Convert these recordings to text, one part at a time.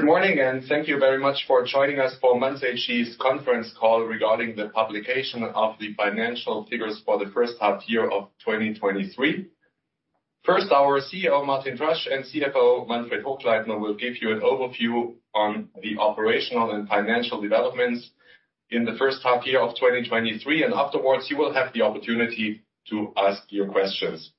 Good morning, thank you very much for joining us for Manz AG's conference call regarding the publication of the financial figures for the first half year of 2023. First, our CEO, Martin Drasch, and CFO, Manfred Hochleitner, will give you an overview on the operational and financial developments in the first half year of 2023. Afterwards, you will have the opportunity to ask your questions.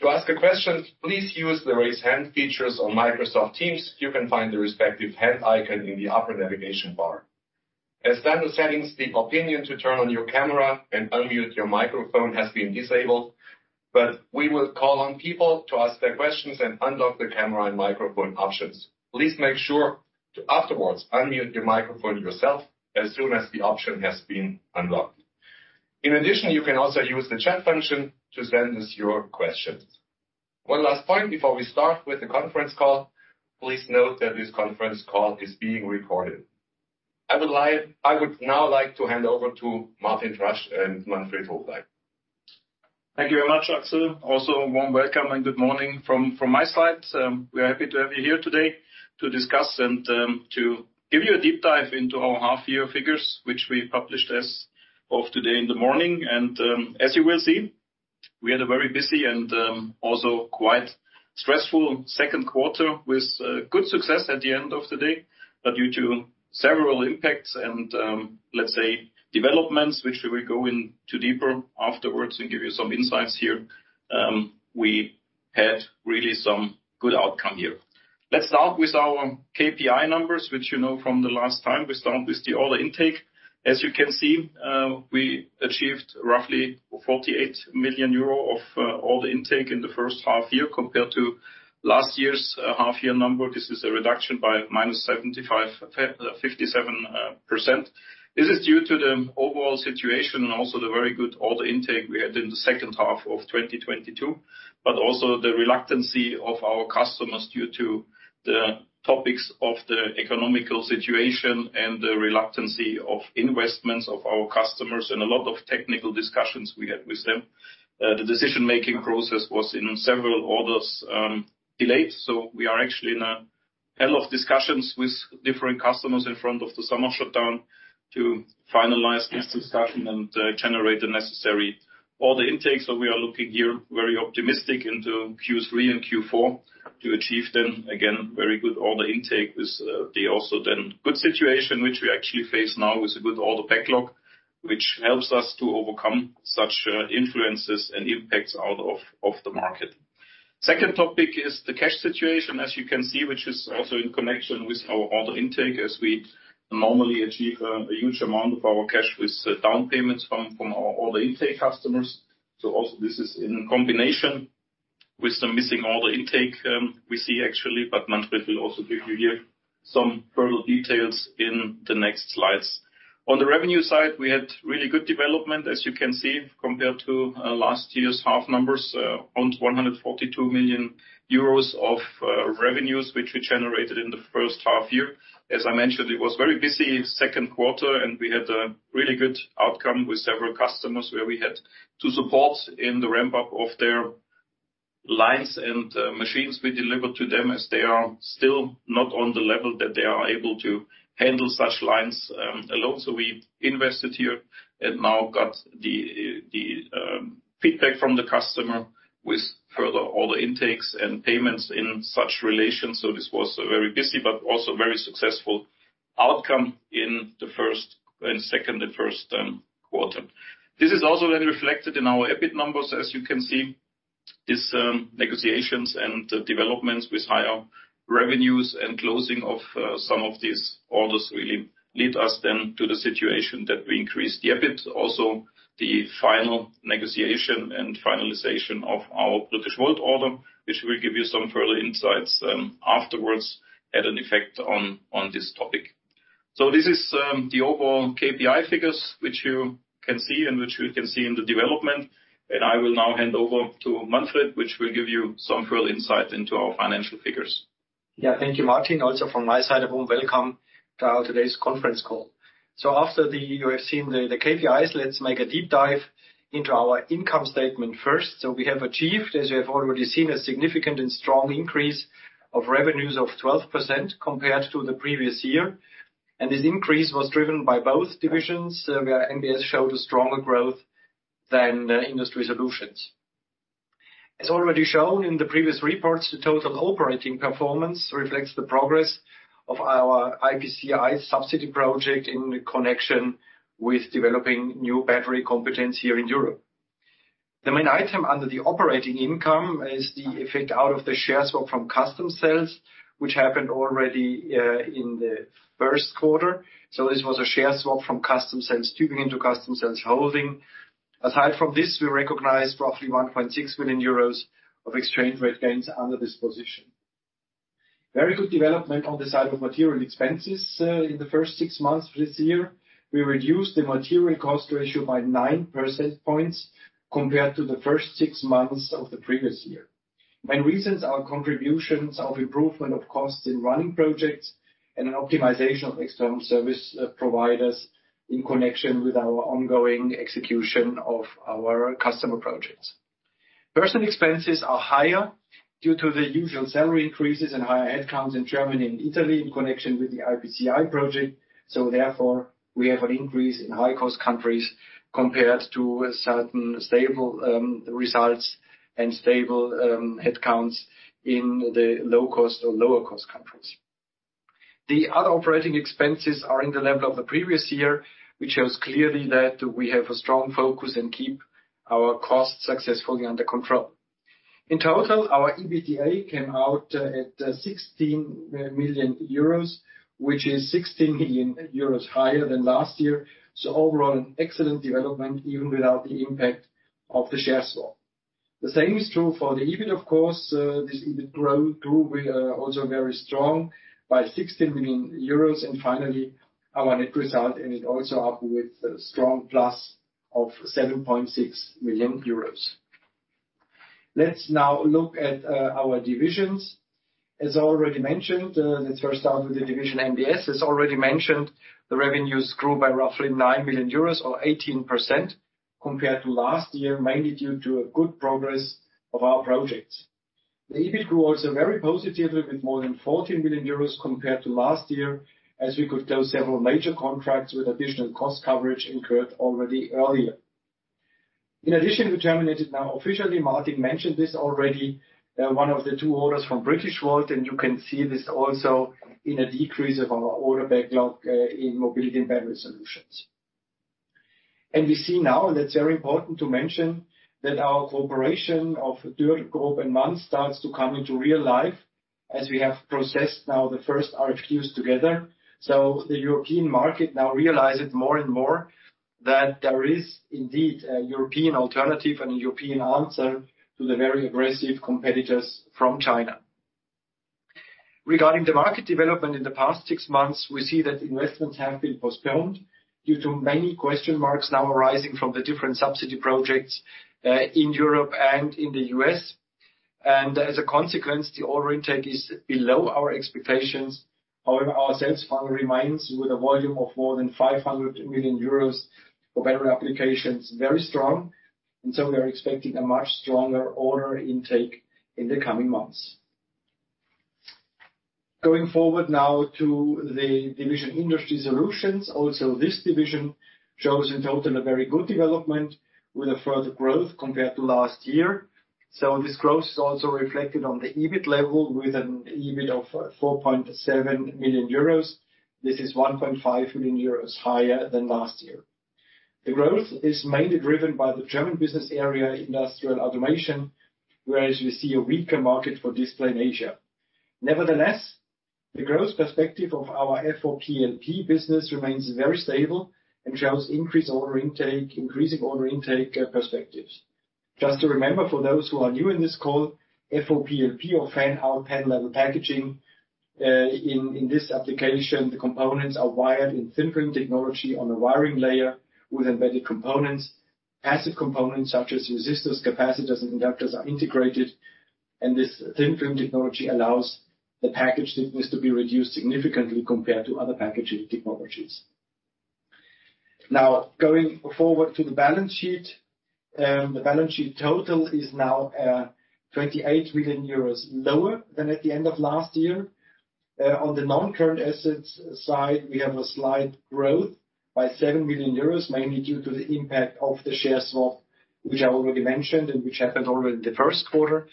To ask a question, please use the Raise Hand features on Microsoft Teams. You can find the respective hand icon in the upper navigation bar. As standard settings, the opinion to turn on your camera and unmute your microphone has been disabled. We will call on people to ask their questions and unlock the camera and microphone options. Please make sure to afterwards unmute your microphone yourself as soon as the option has been unlocked. In addition, you can also use the chat function to send us your questions. One last point before we start with the conference call. Please note that this conference call is being recorded. I would now like to hand over to Martin Drasch and Manfred Hochleitner. Thank you very much, Axel. A warm welcome and good morning from my side. We are happy to have you here today to discuss and to give you a deep dive into our half-year figures, which we published as of today in the morning. As you will see, we had a very busy and also quite stressful second quarter, with good success at the end of the day. Due to several impacts and, let's say, developments, which we will go into deeper afterwards and give you some insights here, we had really some good outcome here. Let's start with our KPI numbers, which you know from the last time. We start with the order intake. As you can see, we achieved roughly 48 million euro of order intake in the first half-year compared to last year's half-year number. This is a reduction by -57%. This is due to the overall situation and also the very good order intake we had in the second half of 2022, also the reluctance of our customers due to the topics of the economic situation and the reluctance of investments of our customers and a lot of technical discussions we had with them. The decision-making process was, in several orders, delayed, we are actually in a hell of discussions with different customers in front of the summer shutdown to finalize this discussion and generate the necessary order intakes. We are looking here very optimistic into Q3 and Q4 to achieve them. Very good order intake is the also then good situation, which we actually face now with a good order backlog, which helps us to overcome such influences and impacts out of the market. Second topic is the cash situation, as you can see, which is also in connection with our order intake, as we normally achieve a huge amount of our cash with down payments from our order intake customers. Also, this is in combination with the missing order intake we see actually. Manfred will also give you here some further details in the next slides. On the revenue side, we had really good development, as you can see, compared to last year's half numbers, around 142 million euros of revenues, which we generated in the first half-year. As I mentioned, it was very busy second quarter, and we had a really good outcome with several customers, where we had to support in the ramp-up of their lines and machines we delivered to them, as they are still not on the level that they are able to handle such lines alone. We invested here and now got the feedback from the customer with further order intakes and payments in such relation. This was a very busy but also very successful outcome in the first and second and first quarter. This is also then reflected in our EBIT numbers, as you can see. This negotiations and developments with higher revenues and closing of some of these orders really lead us then to the situation that we increased the EBIT. Also, the final negotiation and finalization of our Britishvolt order, which we'll give you some further insights afterwards, had an effect on, on this topic. This is the overall KPI figures, which you can see and which you can see in the development, and I will now hand over to Manfred, which will give you some further insight into our financial figures. Yeah. Thank you, Martin. Also from my side, a warm welcome to our today's conference call. After you have seen the KPIs, let's make a deep dive into our income statement first. We have achieved, as you have already seen, a significant and strong increase of revenues of 12% compared to the previous year, and this increase was driven by both divisions, where MBS showed a stronger growth than Industry Solutions. As already shown in the previous reports, the total operating performance reflects the progress of our IPCEI subsidy project in connection with developing new battery competence here in Europe. The main item under the operating income is the effect out of the share swap from Customcells, which happened already in the first quarter, this was a share swap from Customcells Tübingen into Customcells Holding. Aside from this, we recognized roughly 1.6 million euros of exchange rate gains under this position. Very good development on the side of material expenses, in the first six months of this year. We reduced the material cost ratio by 9 percentage points compared to the first six months of the previous year. Main reasons are contributions of improvement of costs in running projects and an optimization of external service providers in connection with our ongoing execution of our customer projects. Personnel expenses are higher due to the usual salary increases and higher headcounts in Germany and Italy in connection with the IPCEI project. Therefore, we have an increase in high-cost countries compared to certain stable results and stable headcounts in the low-cost or lower-cost countries. The other operating expenses are in the level of the previous year, which shows clearly that we have a strong focus and keep our costs successfully under control. In total, our EBITDA came out at 16 million euros, which is 16 million euros higher than last year. Overall, an excellent development, even without the impact of the share swap. The same is true for the EBIT, of course, this EBIT growth too, also very strong by 16 million euros. Finally, our net result ended also up with a strong plus of 7.6 million euros. Let's now look at our divisions. As already mentioned, let's first start with the division MBS. As already mentioned, the revenues grew by roughly 9 million euros or 18% compared to last year, mainly due to a good progress of our projects. The EBIT grew also very positively, with more than 14 million euros compared to last year, as we could close several major contracts with additional cost coverage incurred already earlier. In addition, we terminated now officially, Martin mentioned this already, one of the two orders from Britishvolt, and you can see this also in a decrease of our order backlog, in Mobility & Battery Solutions. We see now, that's very important to mention, that our cooperation of Dürr and Manz starts to come into real life, as we have processed now the first RFQs together. The European market now realizes more and more that there is indeed a European alternative and a European answer to the very aggressive competitors from China. Regarding the market development in the past six months, we see that investments have been postponed due to many question marks now arising from the different subsidy projects in Europe and in the U.S.. As a consequence, the order intake is below our expectations. However, our sales funnel remains with a volume of more than 500 million euros for battery applications, very strong, and so we are expecting a much stronger order intake in the coming months. Going forward now to the division Industry Solutions. This division shows, in total, a very good development with a further growth compared to last year. This growth is also reflected on the EBIT level, with an EBIT of 4.7 million euros. This is 1.5 million euros higher than last year. The growth is mainly driven by the German business area, Industrial Automation, whereas we see a weaker market for display in Asia. Nevertheless, the growth perspective of our FOPLP business remains very stable and shows increasing order intake perspectives. Just to remember, for those who are new in this call, FOPLP or fan-out panel level packaging, in, in this application, the components are wired in thin-film technology on a wiring layer with embedded components. Passive components, such as resistors, capacitors, and inductors, are integrated. This thin-film technology allows the package thickness to be reduced significantly compared to other packaging technologies. Now, going forward to the balance sheet. The balance sheet total is now 28 million euros lower than at the end of last year. On the non-current assets side, we have a slight growth by 7 million euros, mainly due to the impact of the share swap, which I already mentioned and which happened already in the first quarter.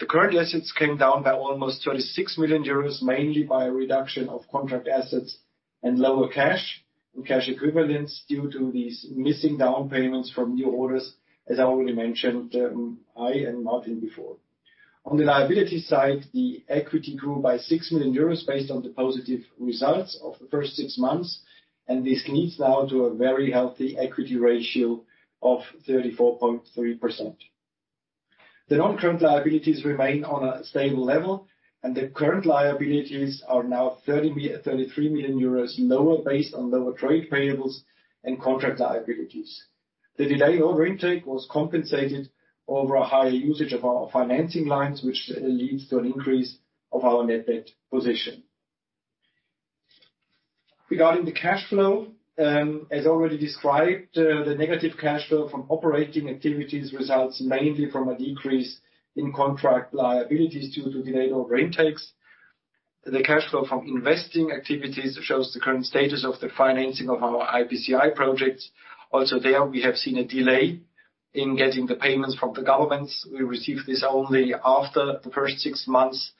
The current assets came down by almost 36 million euros, mainly by a reduction of contract assets and lower cash and cash equivalents, due to these missing down payments from new orders, as I already mentioned, I and Martin before. On the liability side, the equity grew by 6 million euros, based on the positive results of the first six months, this leads now to a very healthy equity ratio of 34.3%. The non-current liabilities remain on a stable level, the current liabilities are now 33 million euros lower, based on lower trade payables and contract liabilities. The delay order intake was compensated over a higher usage of our financing lines, which leads to an increase of our net debt position. Regarding the cash flow, as already described, the negative cash flow from operating activities results mainly from a decrease in contract liabilities due to delayed order intakes. The cash flow from investing activities shows the current status of the financing of our IPCEI projects. Also there, we have seen a delay in getting the payments from the governments. We received this only after the first six months,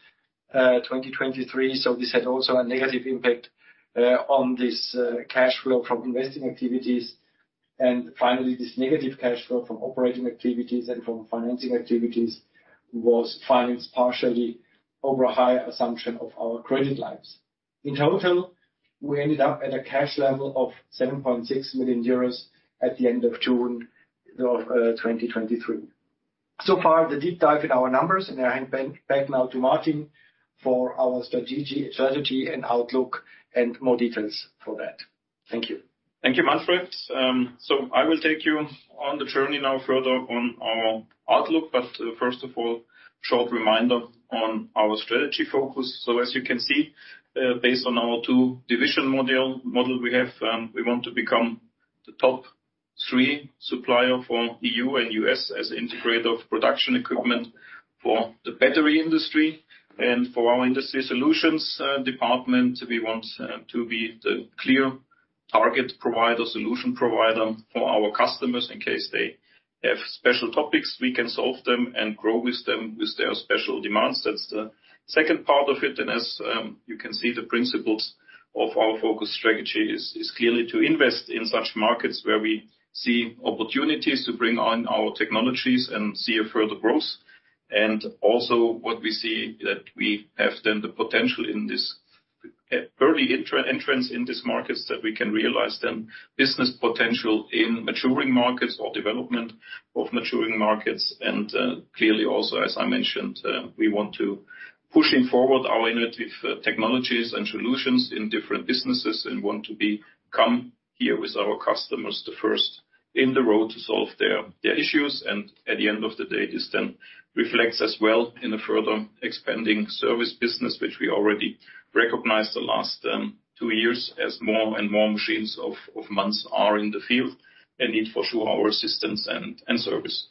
2023, so this had also a negative impact on this cash flow from investing activities. Finally, this negative cash flow from operating activities and from financing activities was financed partially over a higher assumption of our credit lines. In total, we ended up at a cash level of 7.6 million euros at the end of June 2023. So far, the deep dive in our numbers. I hand back now to Martin for our strategy and outlook and more details for that. Thank you. Thank you, Manfred. I will take you on the journey now further on our outlook, but first of all, short reminder on our strategy focus. As you can see, based on our two division model we have, we want to be the top 3 supplier for EU and U.S. as integrator of production equipment for the battery industry, and for our Industry Solutions department, we want to be the clear target provider, solution provider for our customers. In case they have special topics, we can solve them and grow with them, with their special demands. That's the second part of it, and as you can see, the principles of our focus strategy is clearly to invest in such markets where we see opportunities to bring on our technologies and see a further growth. Also what we see, that we have then the potential in this early entrance in these markets, that we can realize then business potential in maturing markets or development of maturing markets. Clearly, also, as I mentioned, we want to pushing forward our innovative technologies and solutions in different businesses and want to become here with our customers, the first in the road to solve their, their issues. At the end of the day, this then reflects as well in a further expanding service business, which we already recognized the last two years as more and more machines of Manz are in the field and need for sure our assistance and service.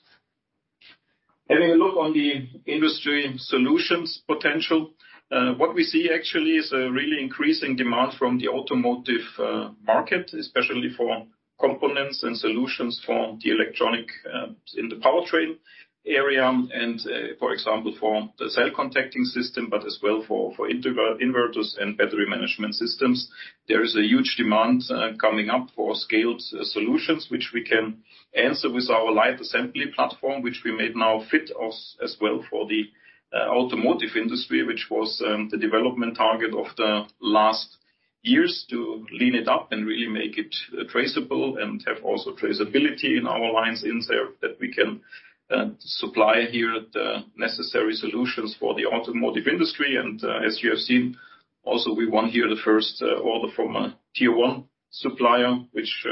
Having a look on the industry solutions potential, what we see actually is a really increasing demand from the automotive market, especially for components and solutions for the electronic in the powertrain area and, for example, for the cell contacting system, but as well for inverters and battery management systems. There is a huge demand coming up for scaled solutions, which we can answer with our LightAssembly platform, which we made now fit us as well for the automotive industry, which was the development target of the last years, to clean it up and really make it traceable and have also traceability in our lines in there, that we can supply here the necessary solutions for the automotive industry. As you have seen, also, we won here the first order from a Tier 1 supplier, which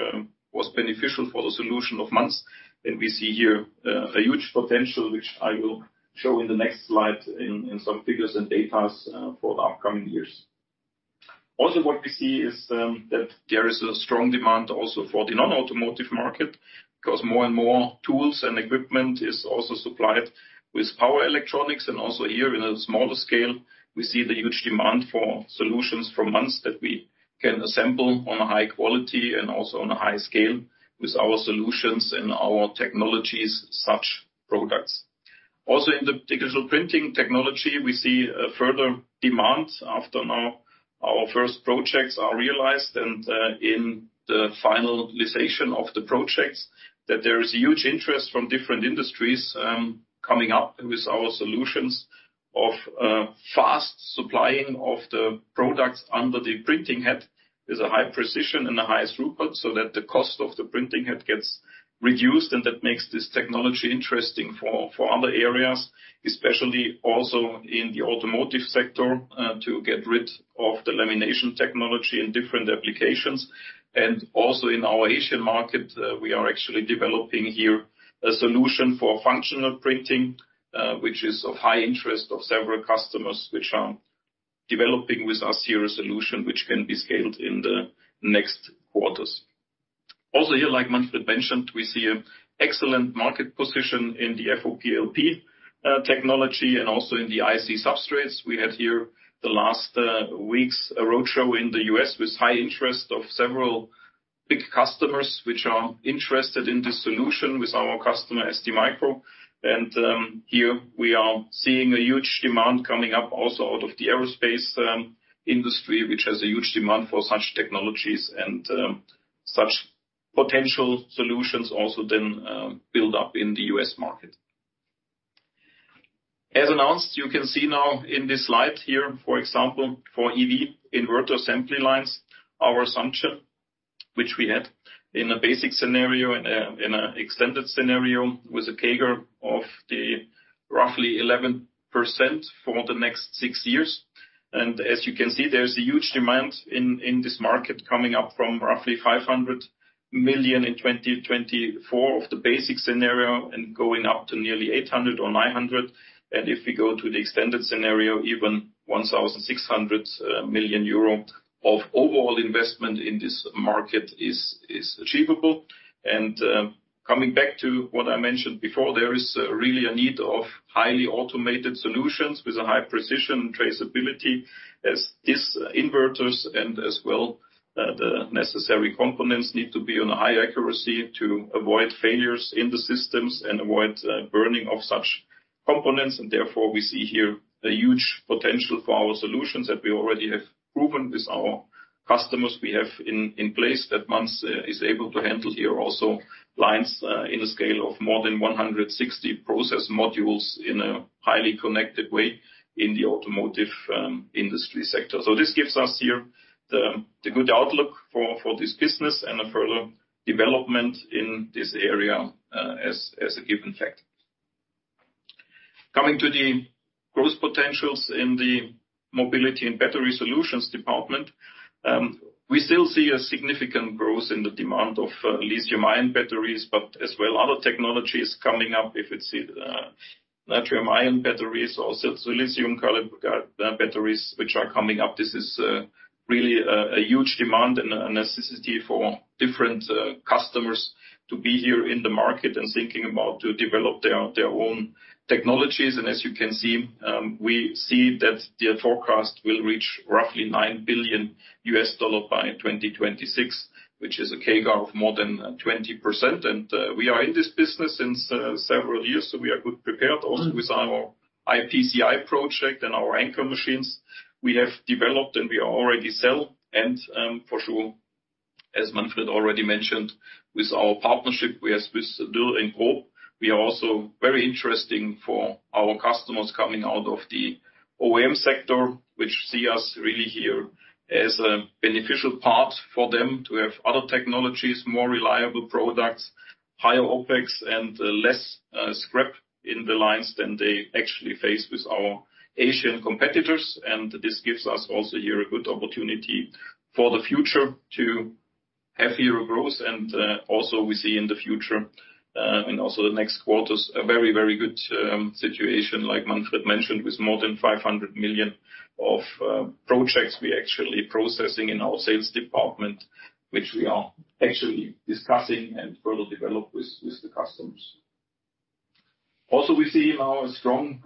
was beneficial for the solution of Manz. We see here a huge potential, which I will show in the next slide, in some figures and data for the upcoming years. Also, what we see is that there is a strong demand also for the non-automotive market, because more and more tools and equipment is also supplied with power electronics. Also here, in a smaller scale, we see the huge demand for solutions from Manz that we can assemble on a high quality and also on a high scale with our solutions and our technologies, such products. In the digital printing technology, we see a further demand after now our first projects are realized and, in the finalization of the projects, that there is huge interest from different industries, coming up with our solutions of, fast supplying of the products under the printing head. There's a high precision and the highest throughput, so that the cost of the printing head gets reduced, and that makes this technology interesting for, for other areas, especially also in the automotive sector, to get rid of the lamination technology in different applications. In our Asian market, we are actually developing here a solution for functional printing, which is of high interest of several customers, which are developing with us here a solution which can be scaled in the next quarters. Also here, like Manfred mentioned, we see an excellent market position in the FOPLP technology and also in the IC substrates. We had here the last weeks, a roadshow in the U.S. with high interest of several big customers, which are interested in this solution with our customer, STMicro. Here we are seeing a huge demand coming up also out of the aerospace industry, which has a huge demand for such technologies and such potential solutions also then build up in the U.S. market. As announced, you can see now in this slide here, for example, for EV inverter assembly lines, our assumption, which we had in a basic scenario and in an extended scenario, with a CAGR of the roughly 11% for the next six years. As you can see, there's a huge demand in, in this market coming up from roughly 500 million in 2024 of the basic scenario and going up to nearly 800 million or 900 million. If we go to the extended scenario, even 1,600 million euro of overall investment in this market is, is achievable. Coming back to what I mentioned before, there is really a need of highly automated solutions with a high precision traceability, as these inverters and as well, the necessary components need to be on a high accuracy to avoid failures in the systems and avoid burning of such components. Therefore, we see here a huge potential for our solutions that we already have proven with our customers we have in place, that Manz is able to handle here also lines in a scale of more than 160 process modules in a highly connected way in the automotive industry sector. This gives us here the good outlook for this business and a further development in this area as a given fact. Coming to the growth potentials in the Mobility & Battery Solutions department, we still see a significant growth in the demand of lithium-ion batteries, but as well, other technologies coming up, if it's sodium-ion batteries, also lithium colored batteries, which are coming up. This is really a huge demand and a necessity for different customers to be here in the market and thinking about to develop their, their own technologies. As you can see, we see that the forecast will reach roughly $9 billion by 2026, which is a CAGR of more than 20%. We are in this business since several years, so we are good prepared also with our IPCEI project and our anchor machines we have developed and we already sell. For sure, as Manfred already mentioned, with our partnership with Dürr and GROB, we are also very interesting for our customers coming out of the OEM sector, which see us really here as a beneficial part for them to have other technologies, more reliable products, higher OpEx, and less scrap in the lines than they actually face with our Asian competitors. This gives us also here a good opportunity for the future to have higher growth. Also we see in the future, and also the next quarters, a very, very good situation, like Manfred mentioned, with more than 500 million of projects we're actually processing in our sales department, which we are actually discussing and further develop with the customers. We see now a strong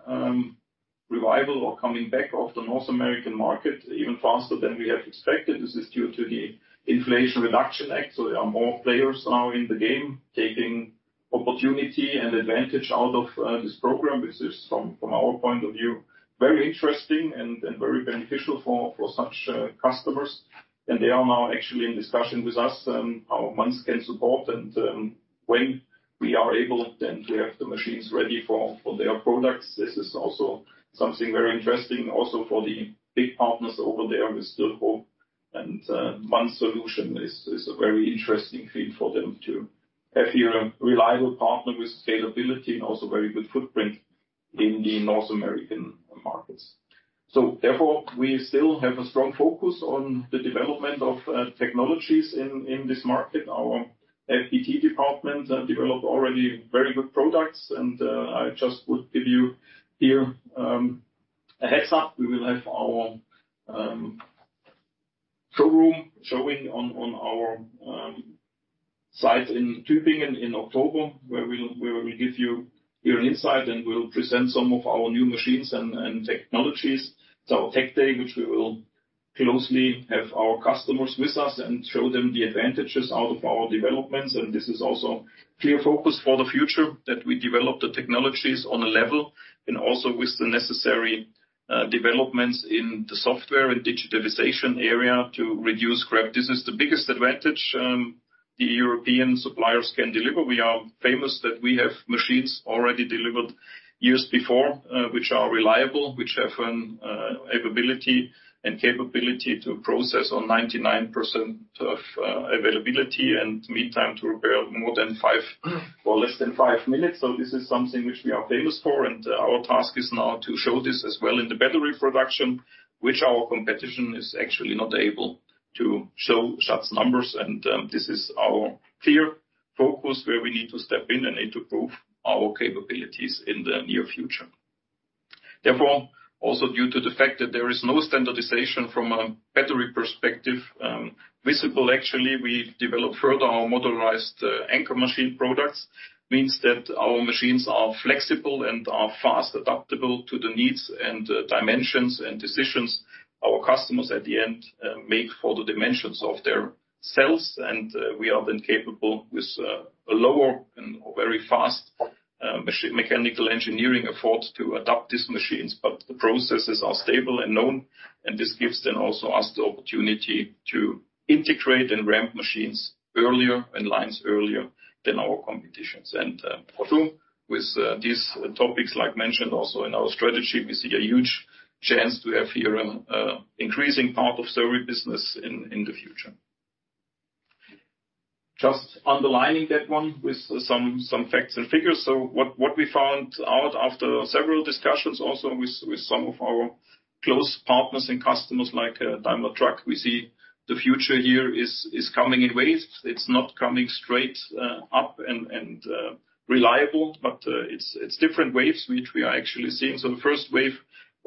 revival or coming back of the North American market, even faster than we have expected. This is due to the Inflation Reduction Act, so there are more players now in the game, taking opportunity and advantage out of this program, which is, from our point of view, very interesting and very beneficial for such customers. They are now actually in discussion with us how one can support and when we are able, then we have the machines ready for their products. This is also something very interesting also for the big partners over there with Dürr and Hope. One solution is a very interesting field for them to have here a reliable partner with scalability and also very good footprint in the North American markets. Therefore, we still have a strong focus on the development of technologies in this market. Our FPT department have developed already very good products, and I just would give you here a heads up. We will have our showroom showing on our site in Tübingen in October, where we will give you your insight, and we will present some of our new machines and technologies. It's our Tech Day, which we will closely have our customers with us and show them the advantages out of our developments. This is also clear focus for the future, that we develop the technologies on a level and also with the necessary developments in the software and digitalization area to reduce scrap. This is the biggest advantage the European suppliers can deliver. We are famous that we have machines already delivered years before, which are reliable, which have, availability and capability to process on 99% of availability, and meantime, to repair more than five or less than five minutes. This is something which we are famous for, our task is now to show this as well in the battery production, which our competition is actually not able to show such numbers. This is our clear focus, where we need to step in and need to prove our capabilities in the near future. Therefore, also due to the fact that there is no standardization from a battery perspective, visible, actually, we developed further our motorized, anchor machine products. Means that our machines are flexible and are fast adaptable to the needs and dimensions and decisions our customers, at the end, make for the dimensions of their cells. We are then capable with a lower and very fast mechanical engineering effort to adapt these machines. The processes are stable and known, and this gives then also us the opportunity to integrate and ramp machines earlier, and lines earlier than our competitions. With these topics, like mentioned also in our strategy, we see a huge chance to have here increasing part of series business in the future. Underlining that one with some facts and figures. What, what we found out after several discussions also with, with some of our close partners and customers, like Daimler Truck, we see the future here is, is coming in waves. It's not coming straight up and reliable, but it's, it's different waves which we are actually seeing. The first wave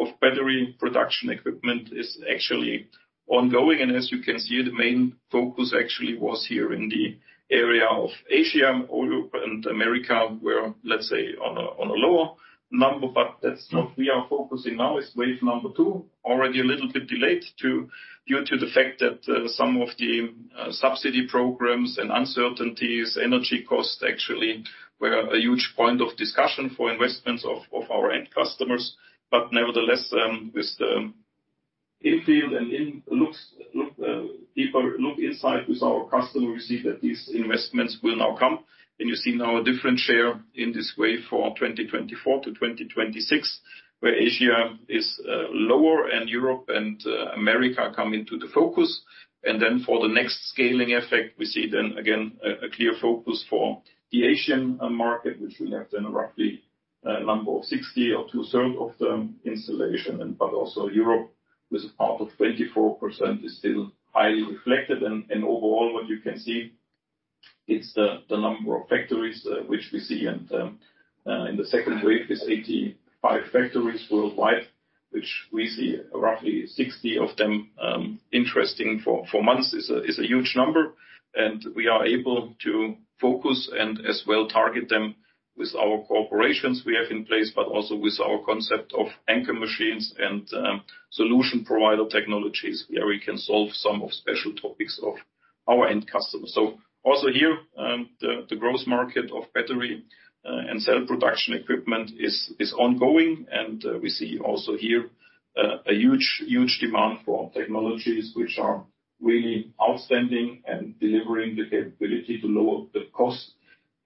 of battery production equipment is actually ongoing, and as you can see, the main focus actually was here in the area of Asia. Europe and America were, let's say, on a, on a lower number, that's what we are focusing now, is wave number two. Already a little bit delayed due to the fact that some of the subsidy programs and uncertainties, energy costs, actually, were a huge point of discussion for investments of, of our end customers. Nevertheless, with the infield and a deeper look inside with our customer, we see that these investments will now come, and you see now a different share in this wave for 2024-2026. where Asia is lower and Europe and America come into the focus. Then for the next scaling effect, we see then again, a clear focus for the Asian market, which we have then roughly a number of 60 or two-third of the installation. Also Europe, with a part of 24%, is still highly reflected. Overall, what you can see, it's the number of factories which we see. In the second wave, is 85 factories worldwide, which we see roughly 60 of them interesting for Manz, is a huge number. We are able to focus and as well target them with our corporations we have in place, but also with our concept of anchor machines and solution provider technologies, where we can solve some of special topics of our end customers. Also here, the growth market of battery and cell production equipment is ongoing, and we see also here a huge, huge demand for technologies which are really outstanding and delivering the capability to lower the cost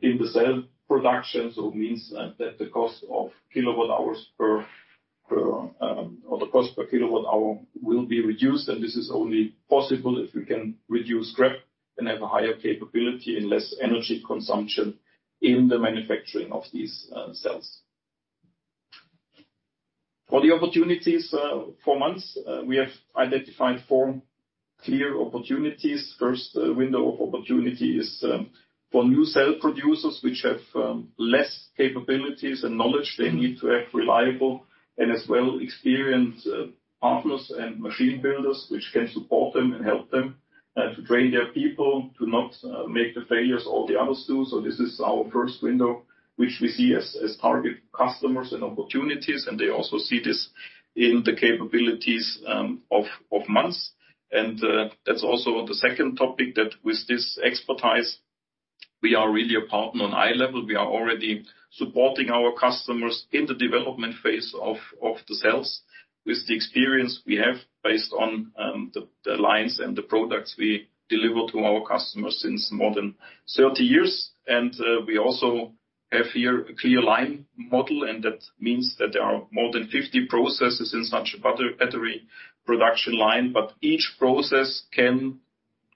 in the cell production. Means that, that the cost of kilowatt hours per, per, or the cost per kilowatt hour will be reduced, and this is only possible if we can reduce scrap and have a higher capability and less energy consumption in the manufacturing of these cells. For the opportunities, for Manz, we have identified four clear opportunities. First, window of opportunity is for new cell producers, which have less capabilities and knowledge. They need to act reliable and as well, experienced partners and machine builders, which can support them and help them to train their people to not make the failures all the others do. This is our first window, which we see as, as target customers and opportunities, and they also see this in the capabilities of Manz. That's also the second topic, that with this expertise, we are really a partner on eye level. We are already supporting our customers in the development phase of, of the cells, with the experience we have based on the lines and the products we deliver to our customers since more than 30 years. We also have here a clear line model, that means that there are more than 50 processes in such a battery production line, but each process can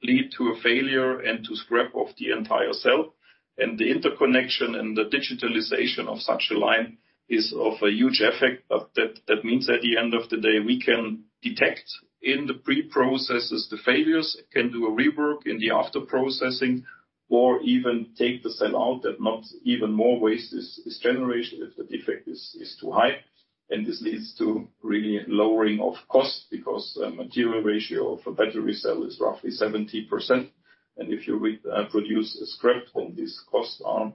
lead to a failure and to scrap off the entire cell. The interconnection and the digitalization of such a line is of a huge effect. That, that means at the end of the day, we can detect in the pre-processes, the failures, can do a rework in the after-processing, or even take the cell out, that not even more waste is generated if the defect is too high. This leads to really lowering of cost because the material ratio of a battery cell is roughly 70%. If you produce a scrap, then these costs are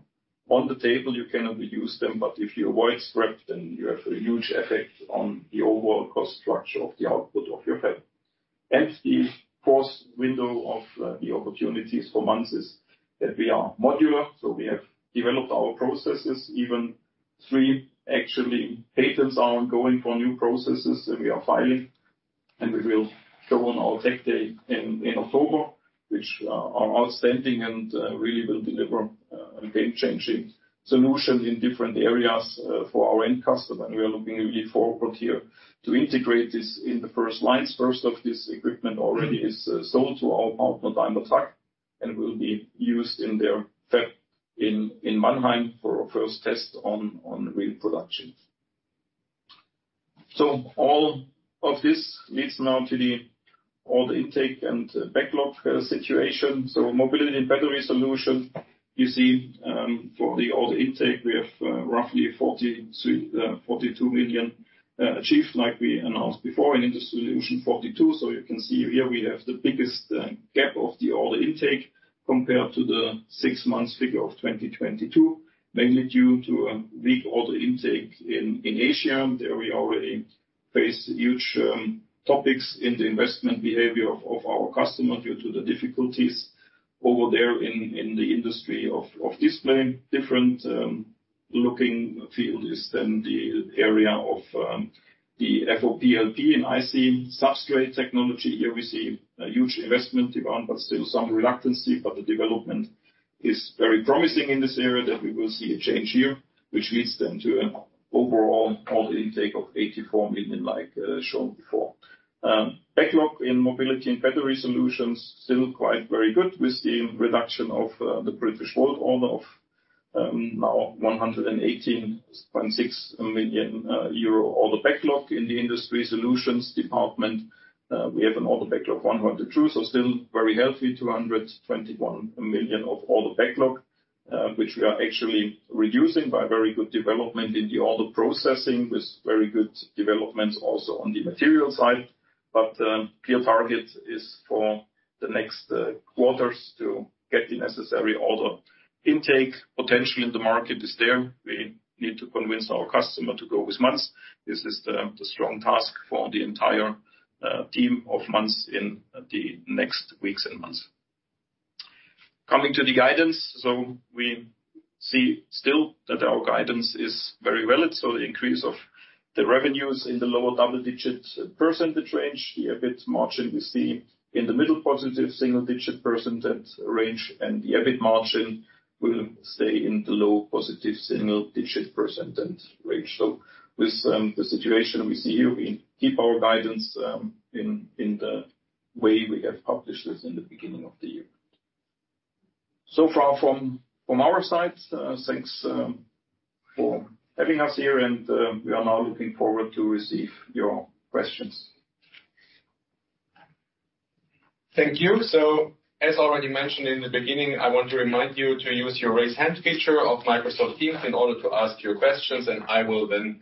on the table, you cannot use them. If you avoid scrap, then you have a huge effect on the overall cost structure of the output of your fab. The fourth window of the opportunities for Manz is that we are modular, so we have developed our processes. Even three, actually, patents are ongoing for new processes that we are filing, and we will show on our Tech Day in October, which are outstanding and really will deliver a game-changing solution in different areas for our end customer. We are looking really forward here to integrate this in the first lines. First of this equipment already is sold to our partner, Daimler Truck, and will be used in their fab in Mannheim for a first test on real production. All of this leads now to the order intake and backlog situation. Mobility & Battery Solutions, you see, for the order intake, we have roughly 42 million achieved, like we announced before, in Industry Solutions, 42 million. You can see here we have the biggest gap of the order intake compared to the 6 months figure of 2022, mainly due to a weak order intake in Asia. There, we already face huge topics in the investment behavior of our customers due to the difficulties over there in the industry of display. Different looking field is then the area of the FOPLP and IC substrates technology. Here, we see a huge investment demand, but still some reluctance, but the development is very promising in this area that we will see a change here, which leads then to an overall order intake of 84 million, like shown before. Backlog in Mobility & Battery Solutions still quite very good with the reduction of the Britishvolt order of now 118.6 million euro. Order backlog in the Industry Solutions department, we have an order backlog of 102 million, so still very healthy, 221 million of order backlog, which we are actually reducing by very good development in the order processing, with very good development also on the material side. Clear target is for the next quarters to get the necessary order intake. Potentially, the market is there. We need to convince our customer to go with Manz. This is the strong task for the entire team of Manz in the next weeks and months. Coming to the guidance, we see still that our guidance is very valid, so the increase of the revenues in the lower double-digit percentage range. The EBIT margin we see in the middle positive single-digit percentage range, and the EBIT margin will stay in the low positive single-digit percentage range. With the situation we see here, we keep our guidance in the way we have published this in the beginning of the year. Far from our side, thanks for having us here, and we are now looking forward to receive your questions. Thank you. As already mentioned in the beginning, I want to remind you to use your Raise Hand feature of Microsoft Teams in order to ask your questions, and I will then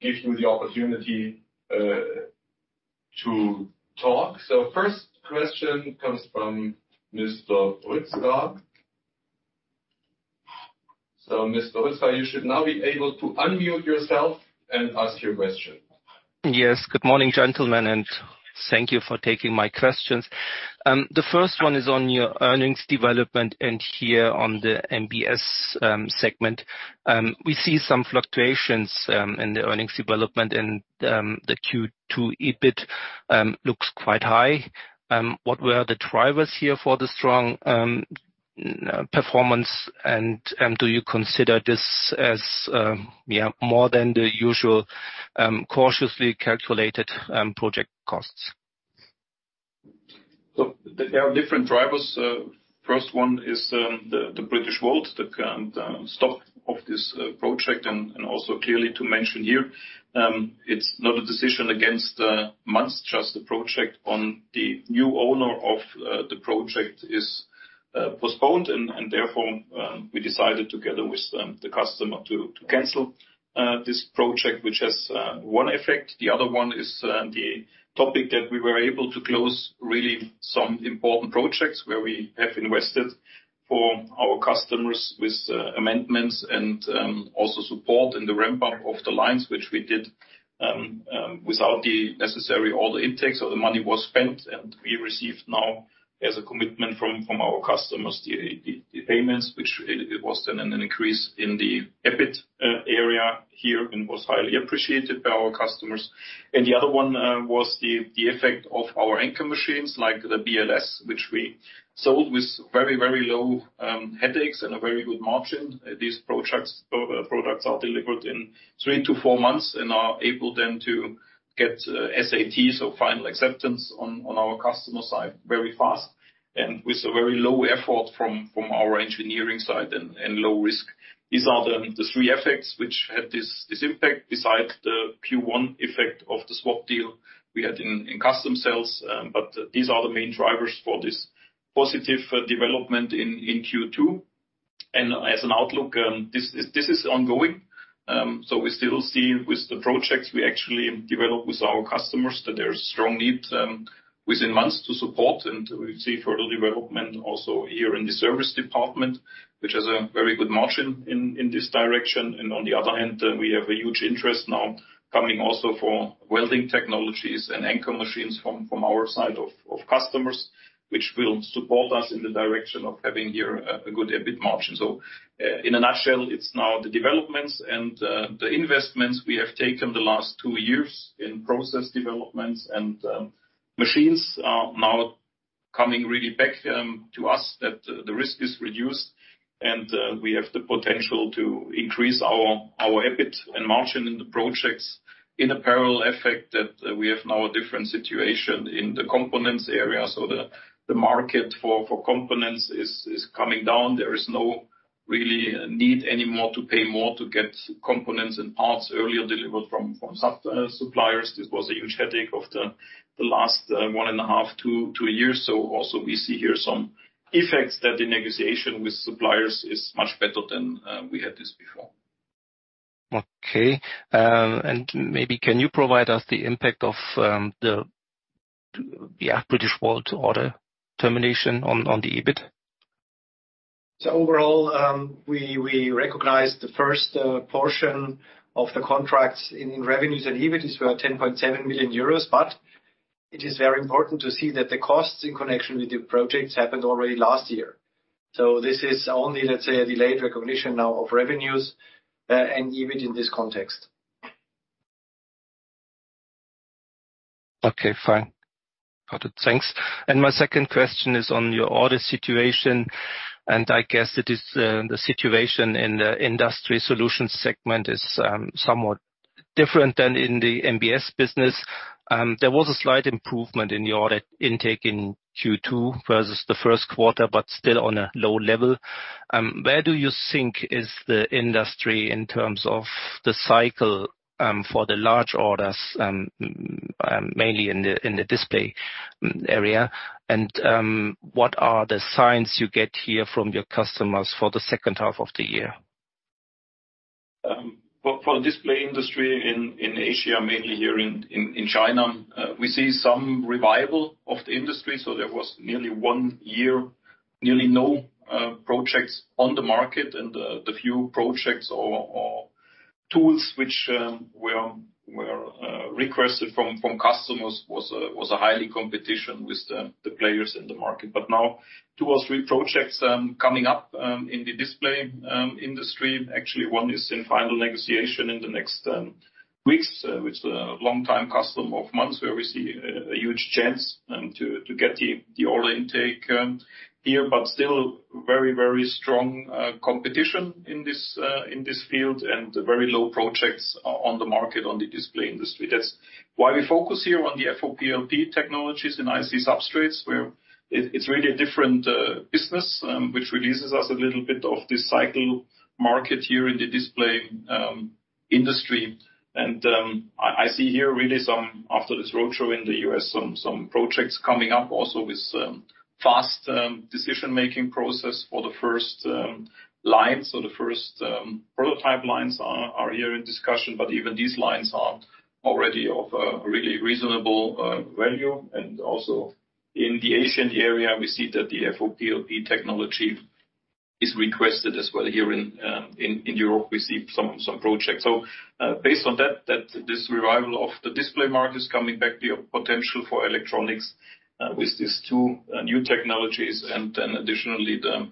give you the opportunity to talk. First question comes from Mr. Rutzgar. Mr. Rutzgar, you should now be able to unmute yourself and ask your question. Yes, good morning, gentlemen, and thank you for taking my questions. The first one is on your earnings development, and here on the MBS segment. We see some fluctuations in the earnings development, and the Q2 EBIT looks quite high. What were the drivers here for the strong performance, and do you consider this as more than the usual cautiously calculated project costs? There are different drivers. First one is the Britishvolt, the current stock of this project. Also clearly to mention here, it's not a decision against Manz, just the project on the new owner of the project is postponed. Therefore, we decided together with the customer to cancel this project, which has one effect. The other one is the topic that we were able to close really some important projects where we have invested for our customers with amendments and also support in the ramp-up of the lines, which we did without the necessary order intake. The money was spent, and we received now, as a commitment from our customers, the payments, which it was then an increase in the EBIT area here and was highly appreciated by our customers. The other one was the effect of our anchor machines, like the BLS, which we sold with very, very low headaches and a very good margin. These projects or products are delivered in 3 to 4 months and are able then to get SAT, so final acceptance, on our customer side very fast and with a very low effort from our engineering side and low risk. These are the three effects which had this impact, besides the Q1 effect of the swap deal we had in Customcells. These are the main drivers for this positive development in Q2. As an outlook, this is ongoing. We still see with the projects we actually develop with our customers, that there is strong need within months to support, and we see further development also here in the service department, which has a very good margin in this direction. On the other hand, we have a huge interest now coming also for welding technologies and anchor machines from our side of customers, which will support us in the direction of having here a good EBIT margin. In a nutshell, it's now the developments and the investments we have taken the last two years in process developments and machines are now coming really back to us, that the risk is reduced, and we have the potential to increase our, our EBIT and margin in the projects. In a parallel effect, that we have now a different situation in the components area, so the market for components is coming down. There is no really need anymore to pay more to get components and parts earlier delivered from suppliers. This was a huge headache of the last 1.5-2 years. Also we see here some effects that the negotiation with suppliers is much better than we had this before. Okay. Maybe can you provide us the impact of the Britishvolt order termination on the EBIT? Overall, we, we recognized the first portion of the contracts in, in revenues, and EBIT is about 10.7 million euros. It is very important to see that the costs in connection with the projects happened already last year. This is only, let's say, a delayed recognition now of revenues and EBIT in this context. Okay, fine. Got it. Thanks. My second question is on your order situation, and I guess it is, the situation in the Industry Solutions segment is somewhat different than in the MBS business. There was a slight improvement in the order intake in Q2 versus the first quarter, but still on a low level. Where do you think is the industry in terms of the cycle, for the large orders, mainly in the, in the display area? What are the signs you get here from your customers for the second half of the year? Well, for the display industry in Asia, mainly here in China, we see some revival of the industry. There was nearly 1 year, nearly no projects on the market, and the few projects or tools which were requested from customers was a highly competition with the players in the market. Now, 2 or 3 projects coming up in the display industry. Actually, one is in final negotiation in the next weeks with a long-time customer of Manz, where we see a huge chance to get the order intake here, but still very, very strong competition in this field, and very low projects on the market on the display industry. That's. While we focus here on the FOPLP technologies in IC substrates, where it's really a different business, which releases us a little bit of this cycle market here in the display industry. I see here really some, after this roadshow in the U.S., some projects coming up also with fast decision-making process for the first lines. The first prototype lines are here in discussion, but even these lines are already of really reasonable value. Also in the Asian area, we see that the FOPLP technology is requested as well. Here in Europe, we see some projects. Based on that, that this revival of the display market is coming back, the potential for electronics, with these two new technologies, and then additionally, the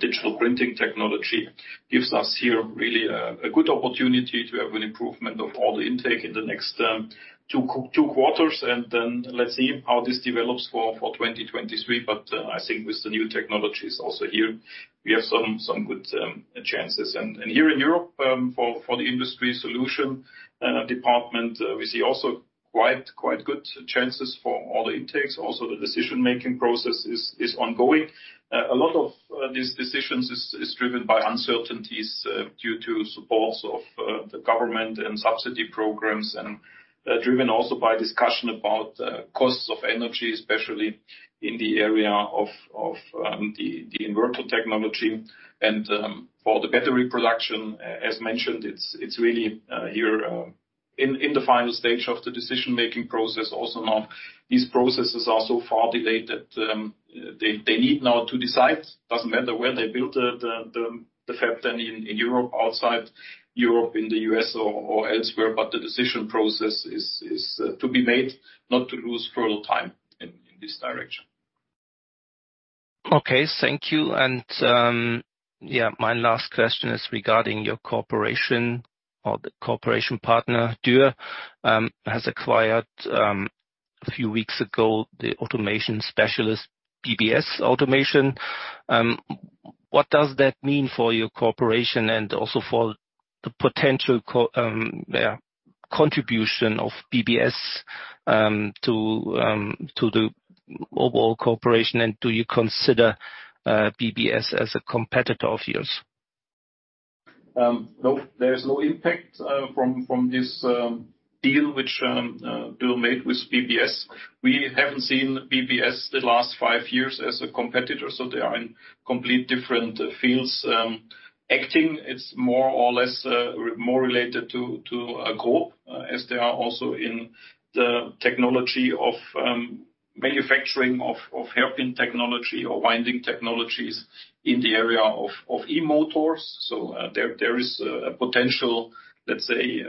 digital printing technology, gives us here really a good opportunity to have an improvement of all the intake in the next two quarters. Then let's see how this develops for 2023. I think with the new technologies also here, we have some good chances. Here in Europe, for the Industry Solutions and our department, we see also quite good chances for all the intakes. The decision-making process is ongoing. A lot of these decisions is driven by uncertainties due to supports of the government and subsidy programs, and driven also by discussion about costs of energy, especially in the area of the inverter technology. For the battery production, as mentioned, it's really here in the final stage of the decision-making process. Also, now, these processes are so far delayed that they need now to decide. Doesn't matter where they build the fab than in Europe, outside Europe, in the U.S. or elsewhere, but the decision process is to be made, not to lose further time in this direction. Okay, thank you. My last question is regarding your cooperation or the cooperation partner, Dürr, has acquired a few weeks ago, the automation specialist, BBS Automation. What does that mean for your cooperation and also for the potential co- contribution of BBS to the overall cooperation, and do you consider BBS as a competitor of yours? No, there's no impact from, from this deal which Dürr made with BBS. We haven't seen BBS the last five years as a competitor, so they are in complete different fields acting. It's more or less more related to, to GROB, as they are also in the technology of manufacturing of, of hairpin technology or winding technologies in the area of e-motors. There, there is a potential, let's say,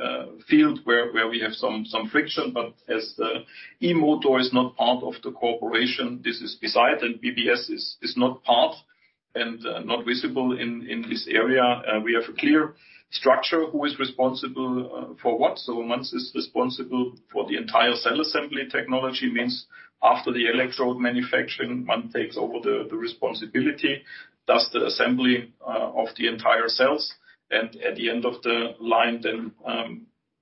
field where, where we have some, some friction, but as the e-motor is not part of the cooperation, this is beside, and BBS is not part and not visible in, in this area. We have a clear structure who is responsible for what. Manz is responsible for the entire cell assembly technology. Means after the electrode manufacturing, Manz takes over the responsibility, does the assembly of the entire cells, and at the end of the line, then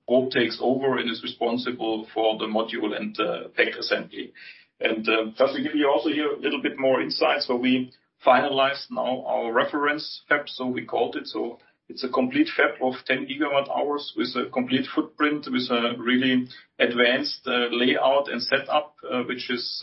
GROB takes over and is responsible for the module and pack assembly. Just to give you also here a little bit more insight, we finalized now our reference fab, we called it. It's a complete fab of 10 GWh with a complete footprint, with a really advanced layout and setup, which is,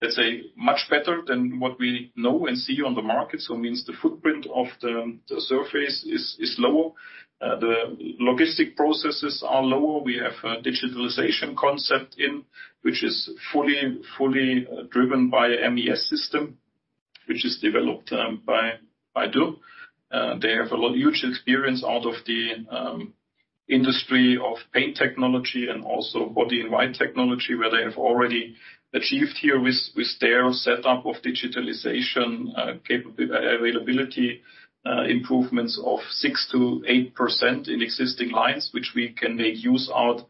let's say, much better than what we know and see on the market. Means the footprint of the surface is lower, the logistic processes are lower. We have a digitalization concept in, which is fully driven by MES system, which is developed by Dürr. They have a huge experience out of the industry of paint technology and also body and mind technology, where they have already achieved here with their setup of digitalization, availability, improvements of 6%-8% in existing lines, which we can make use out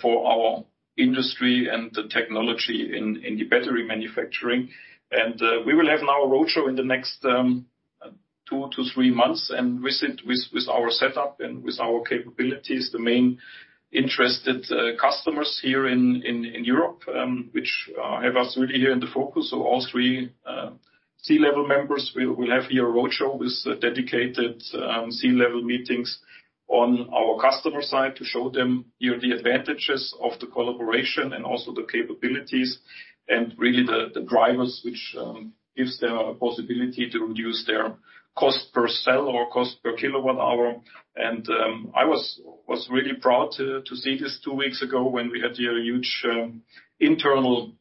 for our industry and the technology in the battery manufacturing. We will have now a roadshow in the next 2-3 Manz, and visit with our setup and with our capabilities, the main interested customers here in Europe, which have us really here in the focus. All three C-level members, we will have here a roadshow with dedicated C-level meetings on our customer side to show them here the advantages of the collaboration and also the capabilities, and really the, the drivers, which gives them a possibility to reduce their cost per cell or cost per kilowatt-hour. I was, was really proud to, to see this two weeks ago when we had here a huge internal,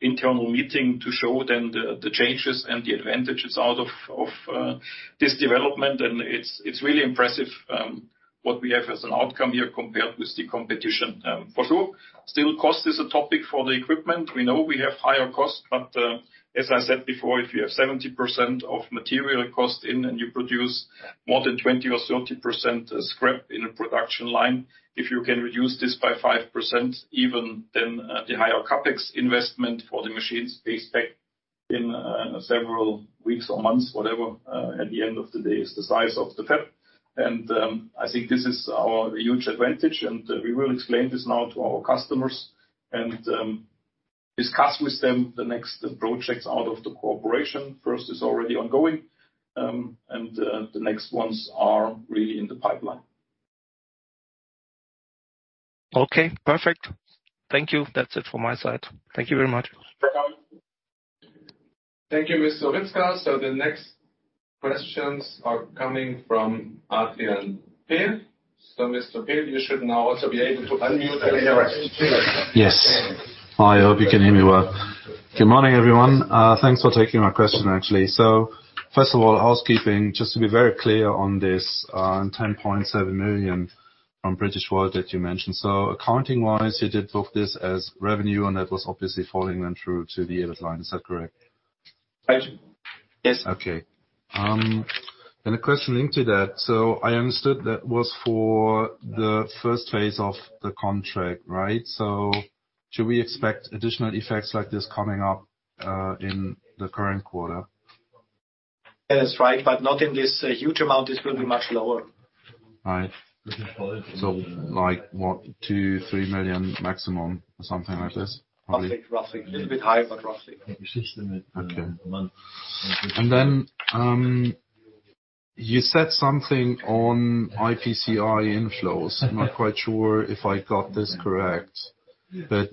internal meeting to show them the, the changes and the advantages out of, of this development. It's, it's really impressive what we have as an outcome here compared with the competition. For sure, still cost is a topic for the equipment. We know we have higher costs, but, as I said before, if you have 70% of material cost in and you produce more than 20% or 30% scrap in a production line, if you can reduce this by 5%, even then, the higher CapEx investment for the machines, they expect. in several weeks or Manz, whatever, at the end of the day, it's the size of the fab. I think this is our huge advantage, and we will explain this now to our customers and discuss with them the next projects out of the cooperation. First is already ongoing, the next ones are really in the pipeline. Okay, perfect. Thank you. That's it from my side. Thank you very much. You're welcome. Thank you, Mr. Rinska. The next questions are coming from RTL, Pil. Mr. Pil, you should now also be able to unmute your Yes. I hope you can hear me well. Good morning, everyone. Thanks for taking my question, actually. First of all, housekeeping, just to be very clear on this, 10.7 million from Britishvolt that you mentioned. Accounting-wise, you did book this as revenue, and that was obviously falling then through to the EBIT line. Is that correct? Actually, yes. Okay. And a question into that: I understood that was for the first phase of the contract, right? Should we expect additional effects like this coming up in the current quarter? That's right, but not in this huge amount. This will be much lower. Right. like what? 2 million-3 million maximum or something like this? Roughly. Roughly. A little bit higher, but roughly. Okay. Then you said something on IPCEI inflows. I'm not quite sure if I got this correct, but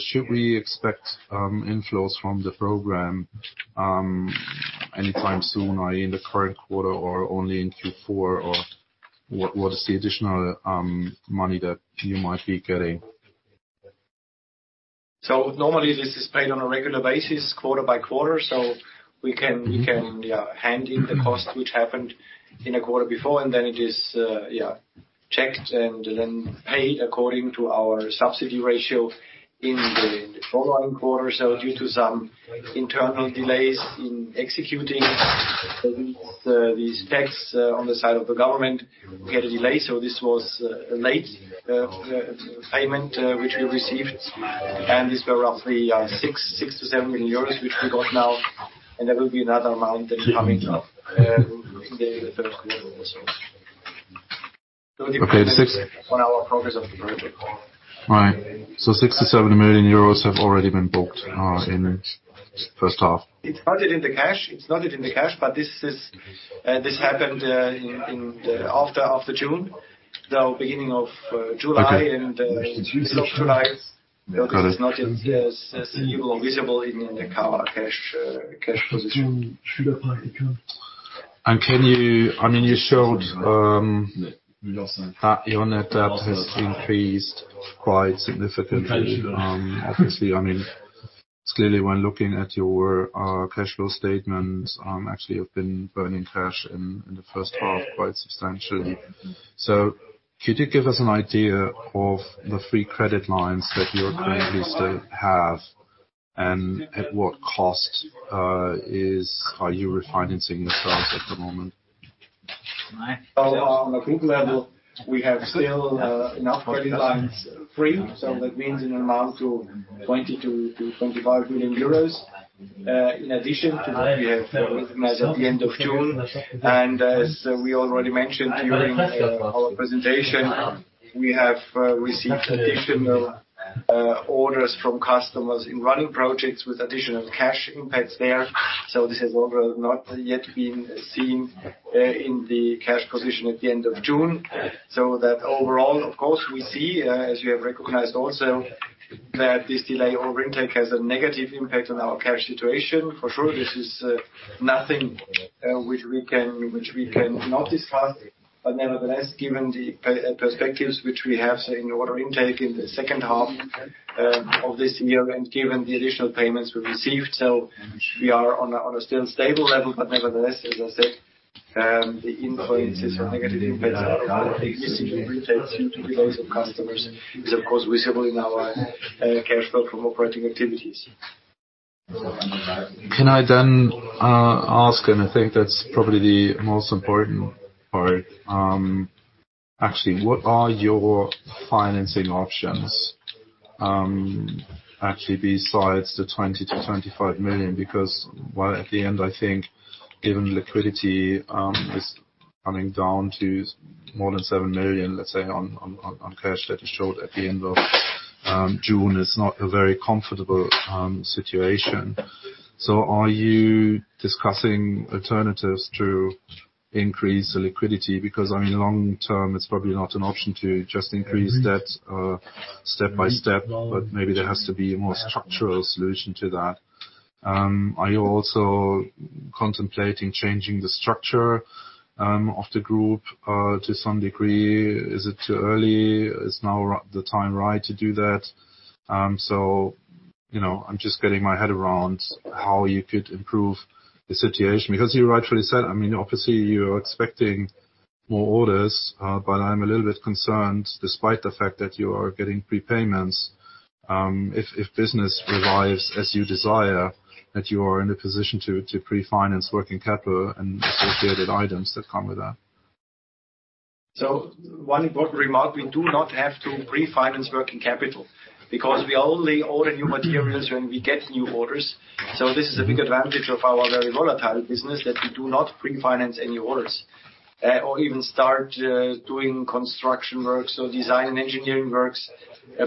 should we expect inflows from the program anytime soon, or in the current quarter or only in Q4, or what, what is the additional money that you might be getting? Normally, this is paid on a regular basis, quarter by quarter. We can, we can, yeah, hand in the cost, which happened in a quarter before, and then it is, yeah, checked and then paid according to our subsidy ratio in the following quarter. Due to some internal delays in executing these tax on the side of the government, we had a delay, so this was a late payment which we received, and these were roughly 6-7 million euros, which we got now, and there will be another amount coming up in the first quarter or so. Okay, 6. On our progress of the project. Right. 6 million-7 million euros have already been booked in the first half. It's not yet in the cash. It's not yet in the cash. This happened in, in, the after, after June, now, beginning of July. Okay. It's authorized, but it's not yet, yes, visible in the current cash, cash position. I mean, you showed your net debt has increased quite significantly. Obviously, I mean, clearly, when looking at your cash flow statements, actually, you've been burning cash in the first half, quite substantially. Could you give us an idea of the free credit lines that you currently still have, and at what cost are you refinancing yourselves at the moment? On a group level, we have still enough credit lines free, so that means in an amount to 20 million-25 million euros. In addition to that, we have, as at the end of June, and as we already mentioned during our presentation, we have received additional orders from customers in running projects with additional cash impacts there. This has overall not yet been seen in the cash position at the end of June. That overall, of course, we see, as you have recognized also, that this delay order intake has a negative impact on our cash situation. For sure, this is nothing which we can, which we can not discuss. Nevertheless, given the perspectives which we have in order intake in the second half of this year and given the additional payments we received, so we are on a still stable level. Nevertheless, as I said, the influences are negative impacts of customers is, of course, visible in our cash flow from operating activities. Can I then ask, and I think that's probably the most important part? Actually, what are your financing options, actually, besides the 20 million-25 million? Because, well, at the end, I think even liquidity is coming down to more than 7 million, let's say, on, on, on, on cash that you showed at the end of June. It's not a very comfortable situation. Are you discussing alternatives to increase the liquidity? Because, I mean, long term, it's probably not an option to just increase that, step by step, but maybe there has to be a more structural solution to that. Are you also contemplating changing the structure of the group to some degree? Is it too early? Is now the time right to do that? You know, I'm just getting my head around how you could improve the situation, because you rightfully said, I mean, obviously, you are expecting more orders, but I'm a little bit concerned, despite the fact that you are getting prepayments, if, if business revives as you desire, that you are in a position to, to pre-finance working capital and associated items that come with that. One important remark, we do not have to pre-finance working capital because we only order new materials when we get new orders. This is a big advantage of our very volatile business, that we do not pre-finance any orders or even start doing construction works or design and engineering works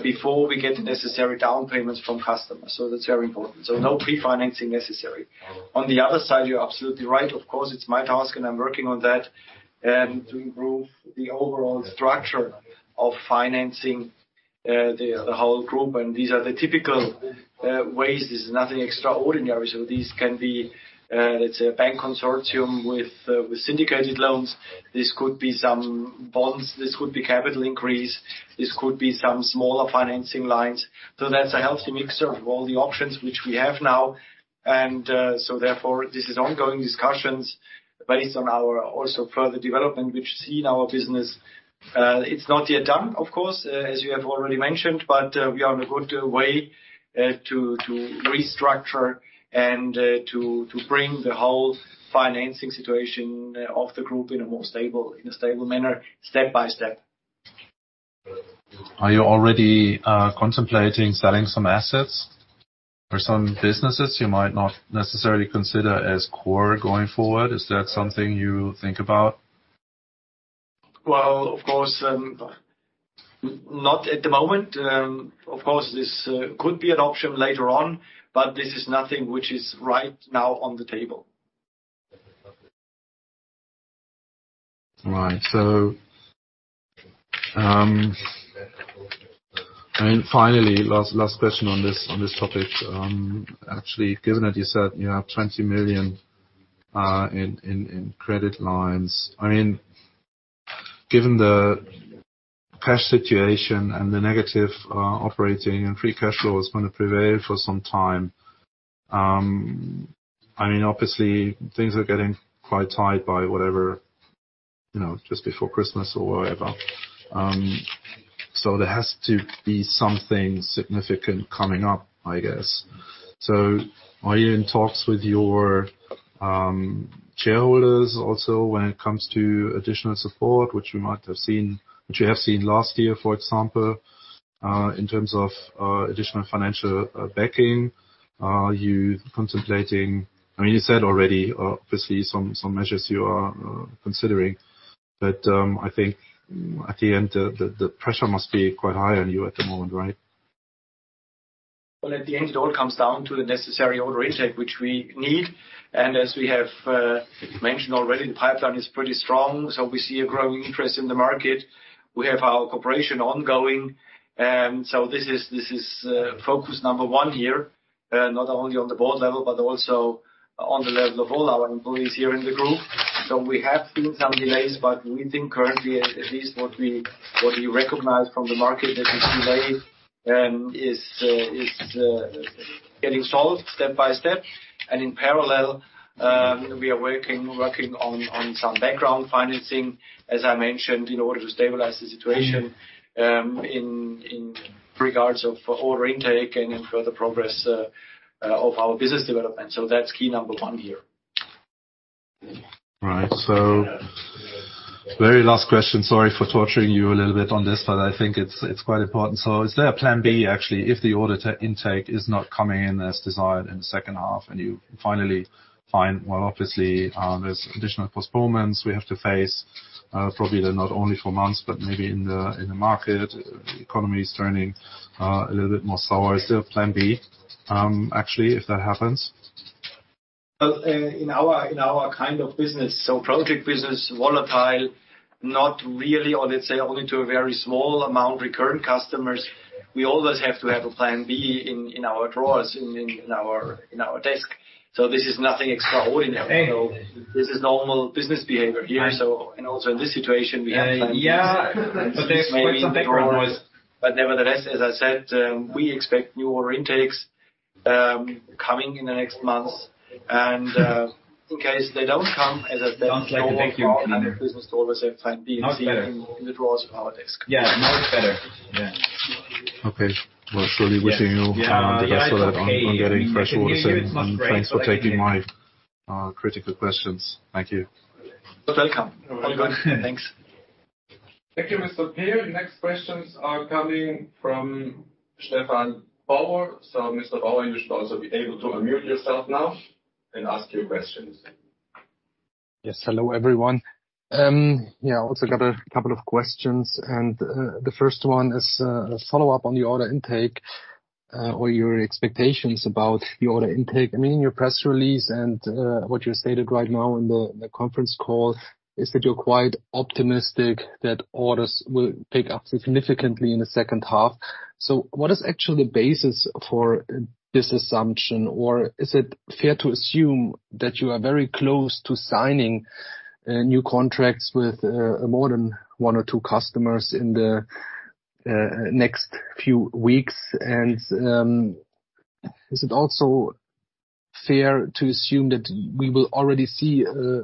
before we get the necessary down payments from customers. That's very important. No pre-financing necessary. On the other side, you're absolutely right. Of course, it's my task, and I'm working on that, to improve the overall structure of financing the whole group. These are the typical ways. There's nothing extraordinary. These can be, let's say, a bank consortium with syndicated loans. This could be some bonds. This could be capital increase. This could be some smaller financing lines. That's a healthy mixture of all the options which we have now, and so therefore, this is ongoing discussions, but it's on our also further development, which see in our business. It's not yet done, of course, as you have already mentioned, but we are on a good way to, to restructure and to, to bring the whole financing situation of the group in a stable manner, step by step. Are you already contemplating selling some assets or some businesses you might not necessarily consider as core going forward? Is that something you think about? Well, of course, not at the moment. Of course, this could be an option later on, but this is nothing which is right now on the table. Right. And finally, last, last question on this, on this topic. Actually, given that you said you have 20 million in credit lines, I mean, given the cash situation and the negative operating and free cash flow is gonna prevail for some time, I mean, obviously things are getting quite tight by whatever, you know, just before Christmas or whatever. There has to be something significant coming up, I guess. Are you in talks with your shareholders also when it comes to additional support, which you have seen last year, for example, in terms of additional financial backing? I mean, you said already, obviously some, some measures you are considering, but, I think at the end, the, the, the pressure must be quite high on you at the moment, right? Well, at the end, it all comes down to the necessary order intake, which we need. As we have mentioned already, the pipeline is pretty strong, so we see a growing interest in the market. We have our cooperation ongoing, so this is, this is focus number one here, not only on the board level, but also on the level of all our employees here in the group. We have seen some delays, but we think currently, at, at least what we, what we recognize from the market, that this delay is getting solved step by step. In parallel, we are working, working on, on some background financing, as I mentioned, in order to stabilize the situation, in, in regards of order intake and in further progress of our business development. That's key number one here. Right. Very last question. Sorry for torturing you a little bit on this, but I think it's, it's quite important. Is there a plan B, actually, if the order intake is not coming in as desired in the second half, and you finally find. Well, obviously, there's additional postponements we have to face, probably not only for Manz, but maybe in the, in the market. Economy is turning a little bit more sour. Is there a plan B, actually, if that happens? Well, in our, in our kind of business, so project business, volatile, not really, or let's say, only to a very small amount, recurrent customers, we always have to have a plan B in, in our drawers, in, in our, in our desk. This is nothing extraordinary. This is normal business behavior here. And also in this situation, we have plan Bs. Yeah. Nevertheless, as I said, we expect new order intakes, coming in the next Manz, and, in case they don't come, as I said Thank you. In business, we always have plan B... Much better. In the drawers of our desk. Yeah, much better. Yeah. Okay. Well, surely wishing you, the best on, on getting fresh orders, and thanks for taking my, critical questions. Thank you. You're welcome. Thanks. Thank you, Mr. Pil. Next questions are coming from Stefan Bauer. Mr. Bauer, you should also be able to unmute yourself now and ask your questions. Yes. Hello, everyone. I also got a couple of questions. The first one is a follow-up on the order intake or your expectations about the order intake. I mean, in your press release, what you stated right now in the conference call, is that you're quite optimistic that orders will pick up significantly in the second half. What is actually the basis for this assumption? Is it fair to assume that you are very close to signing new contracts with more than one or two customers in the next few weeks? Is it also fair to assume that we will already see a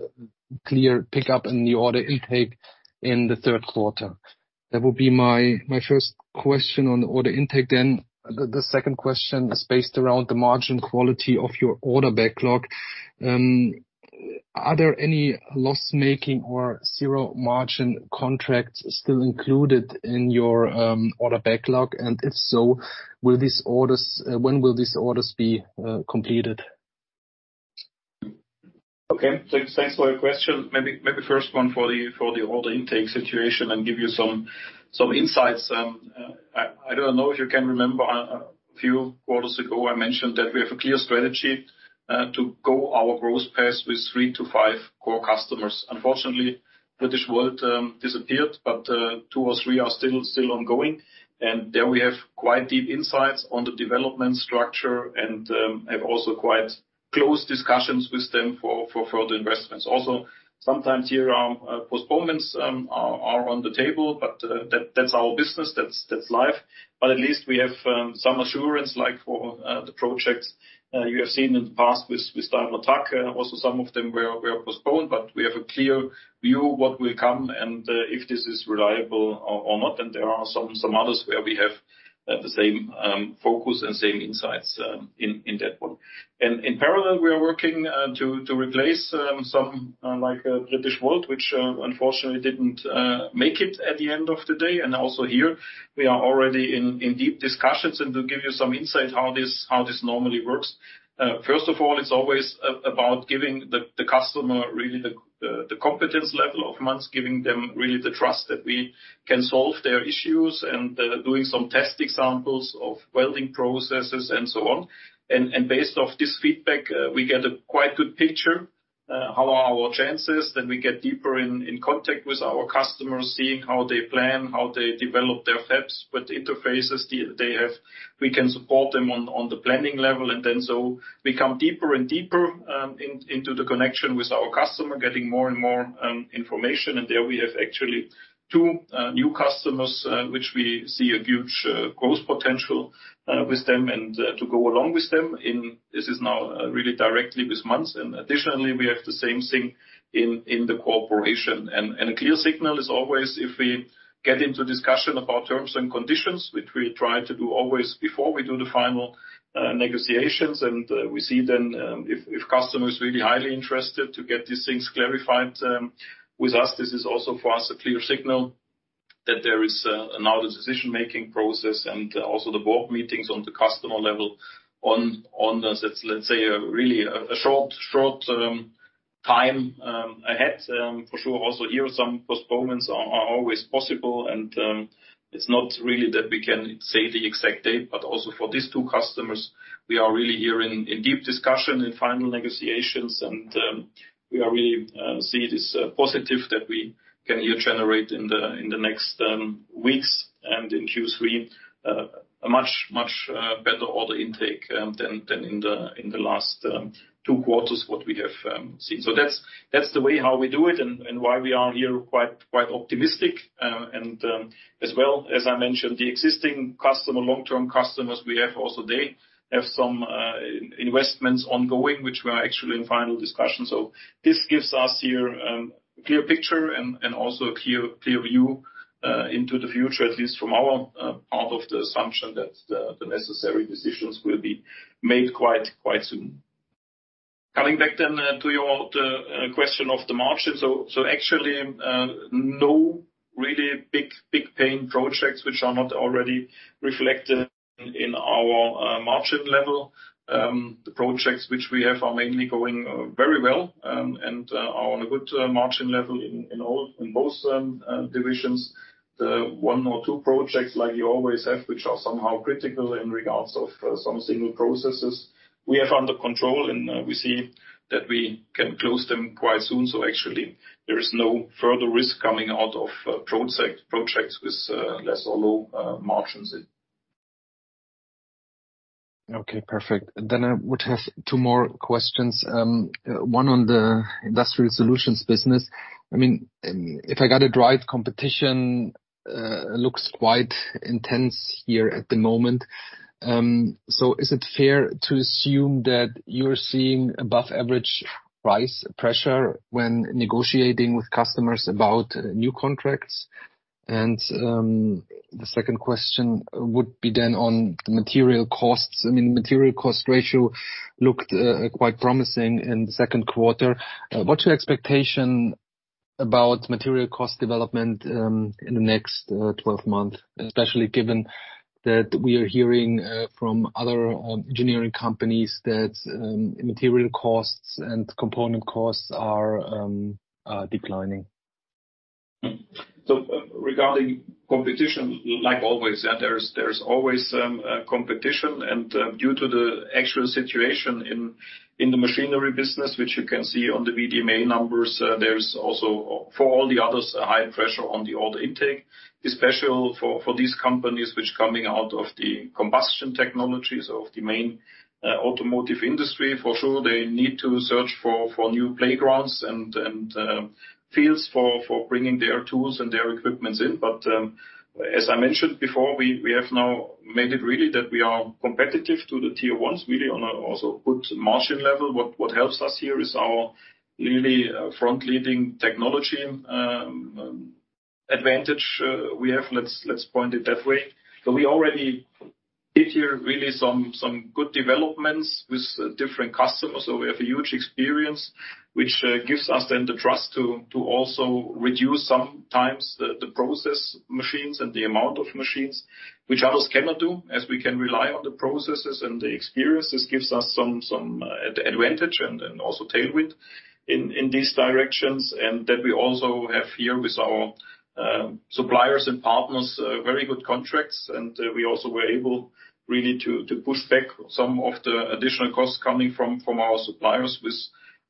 clear pickup in the order intake in the third quarter? That would be my, my first question on the order intake. The, the second question is based around the margin quality of your order backlog. Are there any loss-making or zero margin contracts still included in your order backlog? If so, when will these orders be completed? Okay, thanks, thanks for your question. Maybe, maybe first one for the order intake situation, and give you some insights. I, I don't know if you can remember, a few quarters ago, I mentioned that we have a clear strategy to go our growth path with three to five core customers. Unfortunately, Britishvolt disappeared, but two or three are still, still ongoing. There we have quite deep insights on the development structure, and have also quite close discussions with them for further investments. Also, sometimes here, postponements are on the table, but that's our business. That's, that's life. At least we have some assurance, like for the projects you have seen in the past with Daimler Truck. Some of them were, were postponed, but we have a clear view what will come and if this is reliable or, or not. There are some, some others where we have the same focus and same insights in, in that one. In parallel, we are working to, to replace some, like Britishvolt, which unfortunately didn't make it at the end of the day. Also here, we are already in, in deep discussions. To give you some insight how this, how this normally works, first of all, it's always about giving the, the customer really the, the, the competence level of Manz, giving them really the trust that we can solve their issues, and doing some test examples of welding processes, and so on. Based off this feedback, we get a quite good picture, how are our chances? We get deeper in contact with our customers, seeing how they plan, how they develop their steps. With interfaces they have, we can support them on the planning level, and then so we come deeper and deeper into the connection with our customer, getting more and more information. There we have actually two new customers, which we see a huge growth potential with them, and to go along with them in. This is now really directly with Manz. Additionally, we have the same thing in the cooperation. A clear signal is always if we get into discussion about terms and conditions, which we try to do always before we do the final negotiations, we see then if customer is really highly interested to get these things clarified with us, this is also for us a clear signal that there is another decision-making process and also the board meetings on the customer level on the, let's say, a really short, short time ahead. For sure, also here, some postponements are always possible, and it's not really that we can say the exact date, but also for these two customers, we are really here in deep discussion, in final negotiations. We are really see this positive that we can here generate in the next weeks and in Q3 a much, much better order intake than in the last 2 quarters, what we have seen. That's, that's the way how we do it and why we are here quite, quite optimistic. As well, as I mentioned, the existing customer, long-term customers, we have also they have some investments ongoing, which we are actually in final discussions. This gives us here a clear picture and also a clear, clear view into the future, at least from our part of the assumption, that the necessary decisions will be made quite, quite soon. To your, the, question of the margin. So actually, no really big, big pain projects which are not already reflected in our margin level. The projects which we have are mainly going very well, and are on a good margin level in most divisions. The one or two projects, like you always have, which are somehow critical in regards of some single processes, we have under control, and we see that we can close them quite soon. Actually, there is no further risk coming out of project, projects with less or low margins. Okay, perfect. I would have two more questions. One on the Industrial Solutions business. I mean, if I got it right, competition looks quite intense here at the moment. Is it fair to assume that you're seeing above average price pressure when negotiating with customers about new contracts? The second question would be on the material costs. I mean, the material cost ratio looked quite promising in the second quarter. What's your expectation about material cost development in the next 12 Manz, especially given that we are hearing from other engineering companies that material costs and component costs are declining? Regarding competition, like always, yeah, there's, there's always, competition. Due to the actual situation in, in the machinery business, which you can see on the VDMA numbers, there's also, for all the others, a high pressure on the order intake, especially for, for these companies which are coming out of the combustion technologies of the main, automotive industry. For sure, they need to search for, for new playgrounds and, and, fields for, for bringing their tools and their equipments in. As I mentioned before, we, we have now made it really that we are competitive to the tier ones, really on a, also good margin level. What, what helps us here is our really, front-leading technology, advantage, we have, let's, let's point it that way. We already did here really some, some good developments with different customers. We have a huge experience, which gives us then the trust to also reduce sometimes the process machines and the amount of machines, which others cannot do, as we can rely on the processes and the experiences. This gives us some, some advantage and also tailwind in these directions. Then we also have here with our suppliers and partners, very good contracts. We also were able really to push back some of the additional costs coming from our suppliers with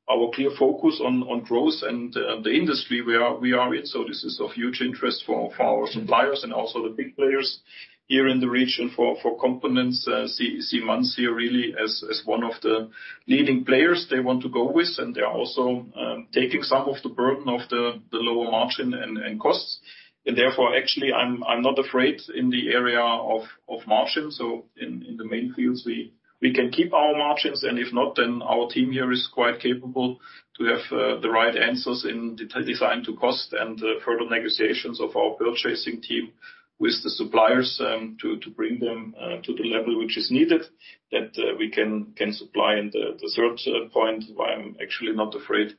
our clear focus on growth and the industry we are- we are in. This is of huge interest for our suppliers and also the big players here in the region for components. See, see Manz here really as, as one of the leading players they want to go with, and they are also taking some of the burden of the, the lower margin and, and costs. Actually, I'm, I'm not afraid in the area of, of margins. In, in the main fields, we, we can keep our margins, and if not, then our team here is quite capable to have the right answers in the design to cost and further negotiations of our purchasing team with the suppliers to bring them to the level which is needed, that we can, can supply. The, the third point why I'm actually not afraid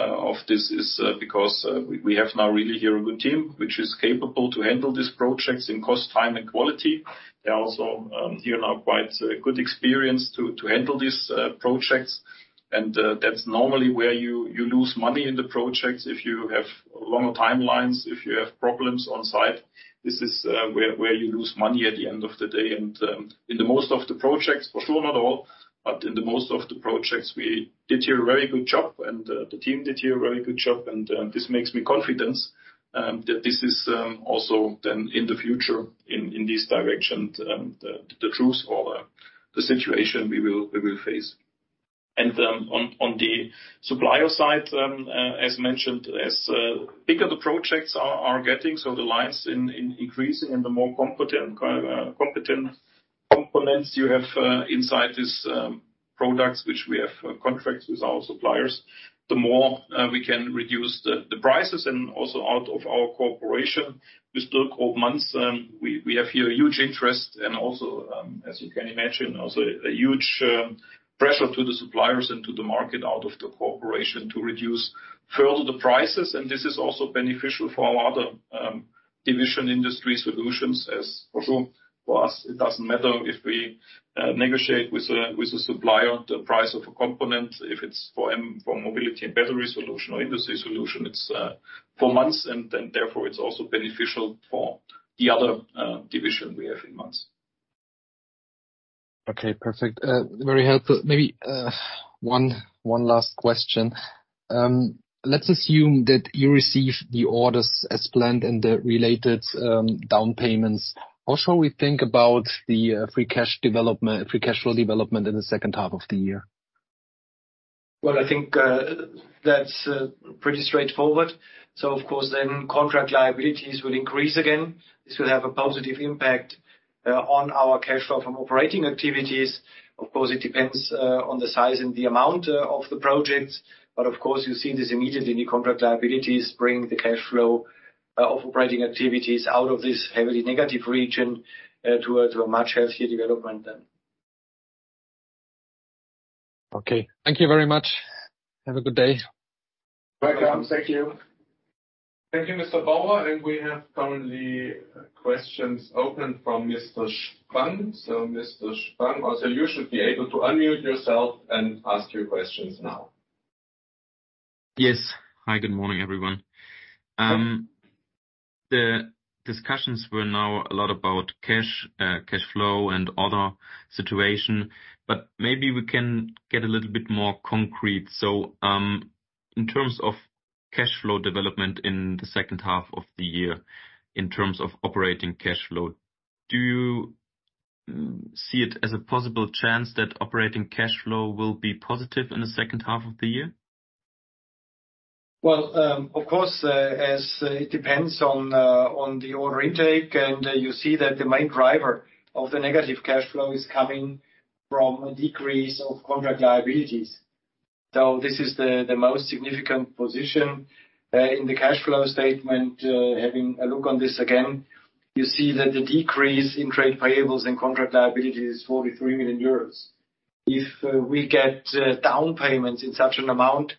of this is because we, we have now really here a good team, which is capable to handle these projects in cost, time, and quality. They are also here now, quite good experience to handle these projects. That's normally where you lose money in the projects. If you have longer timelines, if you have problems on site, this is where you lose money at the end of the day. In the most of the projects, for sure not all, but in the most of the projects, we did here a very good job, and the team did here a very good job, and this makes me confidence that this is also then in the future, in this direction, the truth or the situation we will face. On, on the supplier side, as mentioned, as bigger the projects are, are getting, so the lines in, in increasing and the more competent, competent components you have inside this products, which we have contracts with our suppliers, the more we can reduce the prices and also out of our cooperation with Manz. We, we have here a huge interest and also, as you can imagine, also a huge pressure to the suppliers and to the market out of the cooperation to reduce further the prices. This is also beneficial for our other division Industry Solutions as for sure, for us, it doesn't matter if we negotiate with a, with a supplier the price of a component, if it's for Mobility & Battery Solutions or Industry Solutions, it's for Manz, and then therefore, it's also beneficial for the other division we have in Manz. Okay, perfect. Very helpful. Maybe, one last question. Let's assume that you receive the orders as planned and the related down payments. How shall we think about the free cash flow development in the second half of the year? Well, I think, that's pretty straightforward. Of course, then contract liabilities will increase again. This will have a positive impact, on our cash flow from operating activities. Of course, it depends, on the size and the amount, of the projects, but of course, you see this immediately. New contract liabilities bring the cash flow, of operating activities out of this heavily negative region, towards a much healthier development then. Okay. Thank you very much. Have a good day. Welcome. Thank you. Thank you, Mr. Bauer. We have currently questions open from Mr. Spahn. Mr. Spahn, also you should be able to unmute yourself and ask your questions now. Yes. Hi, good morning, everyone. The discussions were now a lot about cash, cash flow and order situation, but maybe we can get a little bit more concrete. In terms of cash flow development in the second half of the year, in terms of operating cash flow, do you see it as a possible chance that operating cash flow will be positive in the second half of the year? Well, of course, as it depends on the order intake, and you see that the main driver of the negative cash flow is coming from a decrease of contract liabilities. This is the most significant position in the cash flow statement. Having a look on this again, you see that the decrease in trade payables and contract liability is 43 million euros. If we get down payments in such an amount,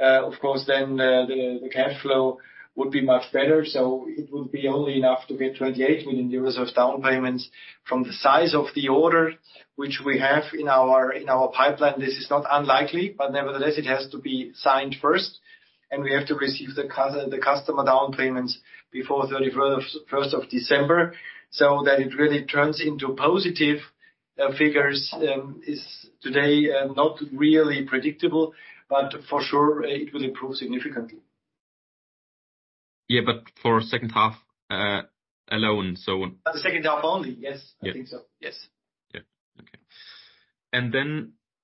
of course, then the cash flow would be much better. It would be only enough to be 28 million euros of down payments from the size of the order which we have in our pipeline. This is not unlikely, but nevertheless, it has to be signed first, and we have to receive the customer down payments before first of December, so that it really turns into positive figures, is today not really predictable, but for sure, it will improve significantly. Yeah, but for second half, alone. The second half only. Yes, I think so. Yes. Yeah. Okay.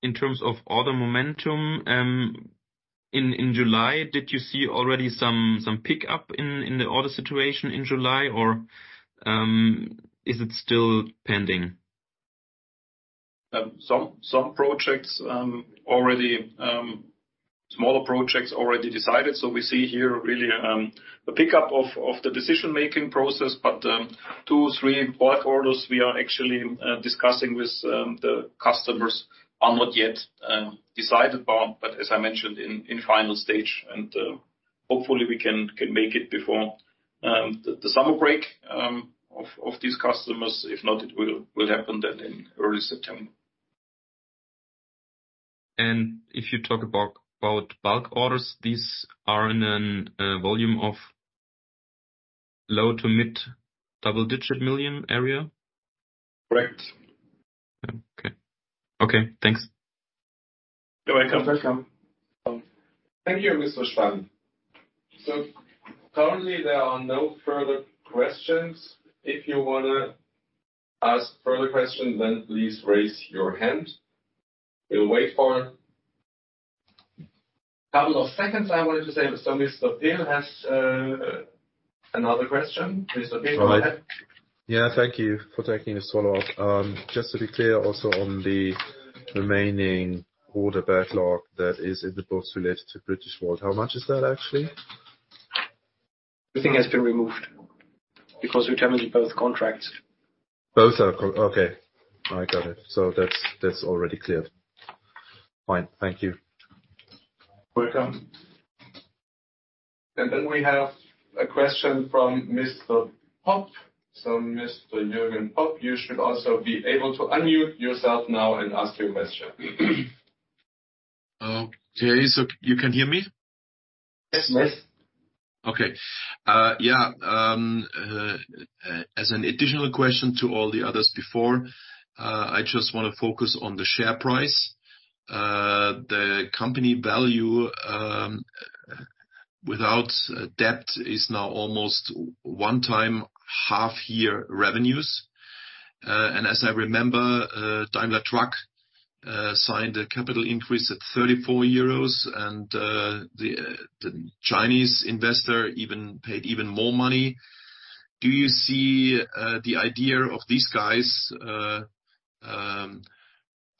In terms of order momentum, in, in July, did you see already some, some pickup in, in the order situation in July, or, is it still pending? Some, some projects already smaller projects already decided. We see here really a pickup of, of the decision-making process. Two, three bulk orders we are actually discussing with the customers are not yet decided upon, but as I mentioned, in final stage, and hopefully we can make it before the summer break of these customers. If not, it will happen then in early September. If you talk about, about bulk orders, these are in an volume of low to mid double-digit million EUR area? Correct. Okay. Okay, thanks. You're welcome. You're welcome. Thank you, Mr. Spahn. Currently, there are no further questions. If you wanna ask further question, then please raise your hand. We'll wait for a couple of seconds, I wanted to say, Mr. Pil has another question. Mr. Pil, go ahead. Yeah, thank you for taking this follow-up. Just to be clear, also, on the remaining order backlog that is in the books related to Britishvolt, how much is that actually? Everything has been removed because we terminated both contracts. Okay, I got it. That's already cleared. Fine. Thank you. Welcome. Then we have a question from Mr. Popp. Mr. Jürgen Popp, you should also be able to unmute yourself now and ask your question. Yeah, you can hear me? Yes. Yes. Okay. As an additional question to all the others before, I just wanna focus on the share price. The company value, without debt, is now almost 1 time half-year revenues. As I remember, Daimler Truck signed a capital increase at 34 euros, and the Chinese investor even paid even more money. Do you see the idea of these guys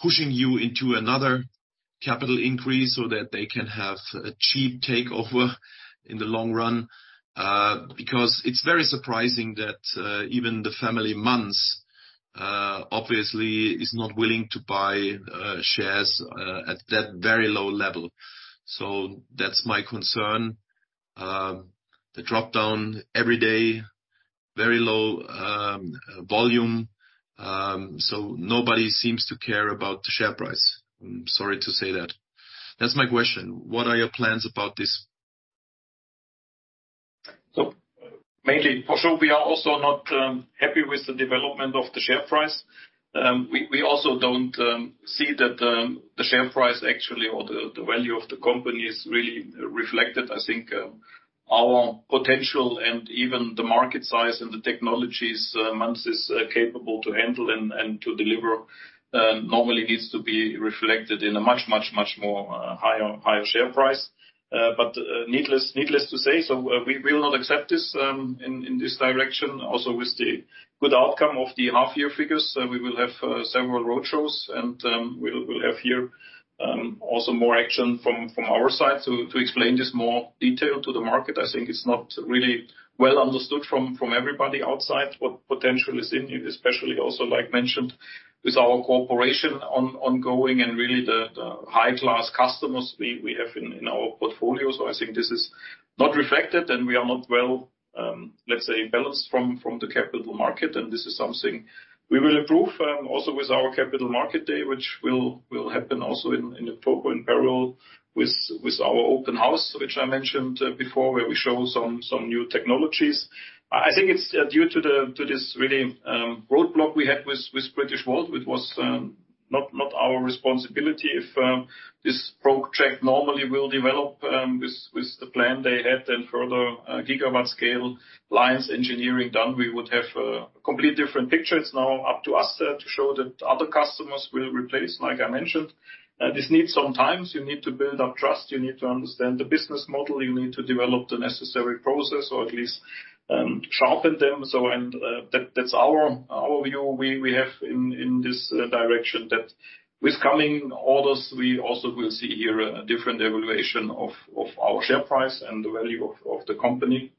pushing you into another capital increase so that they can have a cheap takeover in the long run? Because it's very surprising that even the family Manz, obviously, is not willing to buy shares at that very low level. That's my concern. The drop-down every day, very low volume, nobody seems to care about the share price. I'm sorry to say that. That's my question. What are your plans about this? Mainly, for sure, we are also not happy with the development of the share price. We, we also don't see that the, the share price actually, or the, the value of the company is really reflected. I think, our potential and even the market size and the technologies Manz is capable to handle and, and to deliver, normally needs to be reflected in a much, much, much more higher, higher share price. Needless, needless to say, so, we, we will not accept this in, in this direction. With the good outcome of the half-year figures, we will have several roadshows, and we'll, we'll have here also more action from, from our side to, to explain this more detail to the market. I think it's not really well understood from, from everybody outside what potential is in it, especially also, like mentioned, with our cooperation ongoing and really the, the high-class customers we, we have in, in our portfolio. I think this is not reflected, and we are not well, let's say, balanced from, from the capital market, and this is something we will improve, also with our capital market day, which will, will happen also in, in the fall, in parallel with, with our open house, which I mentioned before, where we show some, some new technologies. I, I think it's due to this really, roadblock we had with, with Britishvolt, which was, not, not our responsibility. If this project normally will develop with the plan they had, then further gigawatt scale lines engineering done, we would have a complete different picture. It's now up to us to show that other customers will replace, like I mentioned. This needs some times. You need to build up trust, you need to understand the business model, you need to develop the necessary process or at least sharpen them. That's our view we have in this direction, that with coming orders, we also will see here a different evaluation of our share price and the value of the company.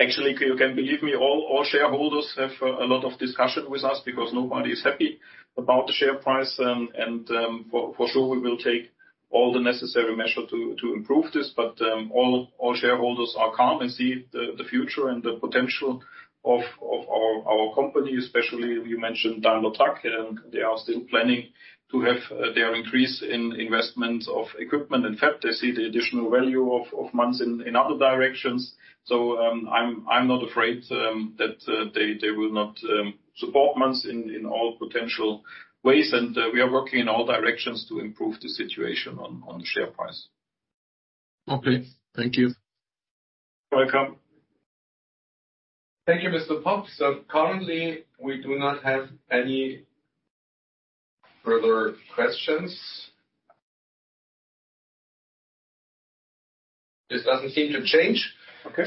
Actually, you can believe me, all shareholders have a lot of discussion with us because nobody is happy about the share price. For, for sure, we will take all the necessary measure to, to improve this, but all, all shareholders are calm and see the, the future and the potential of, of our, our company, especially you mentioned Daimler Truck, and they are still planning to have their increase in investment of equipment. In fact, they see the additional value of, of Manz in, in other directions. I'm, I'm not afraid that they, they will not support Manz in, in all potential ways, and we are working in all directions to improve the situation on, on the share price. Okay. Thank you. You're welcome. Thank you, Mr. Popp. Currently, we do not have any further questions. This doesn't seem to change. Okay.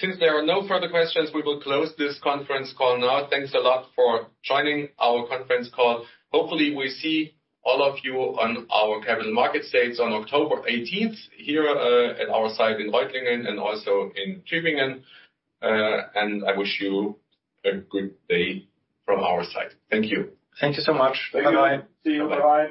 Since there are no further questions, we will close this conference call now. Thanks a lot for joining our conference call. Hopefully, we see all of you on our capital market stage on October 18th, here, at our site in Reutlingen and also in Tübingen. I wish you a good day from our side. Thank you. Thank you so much. Thank you. Bye-bye. See you. Bye-bye.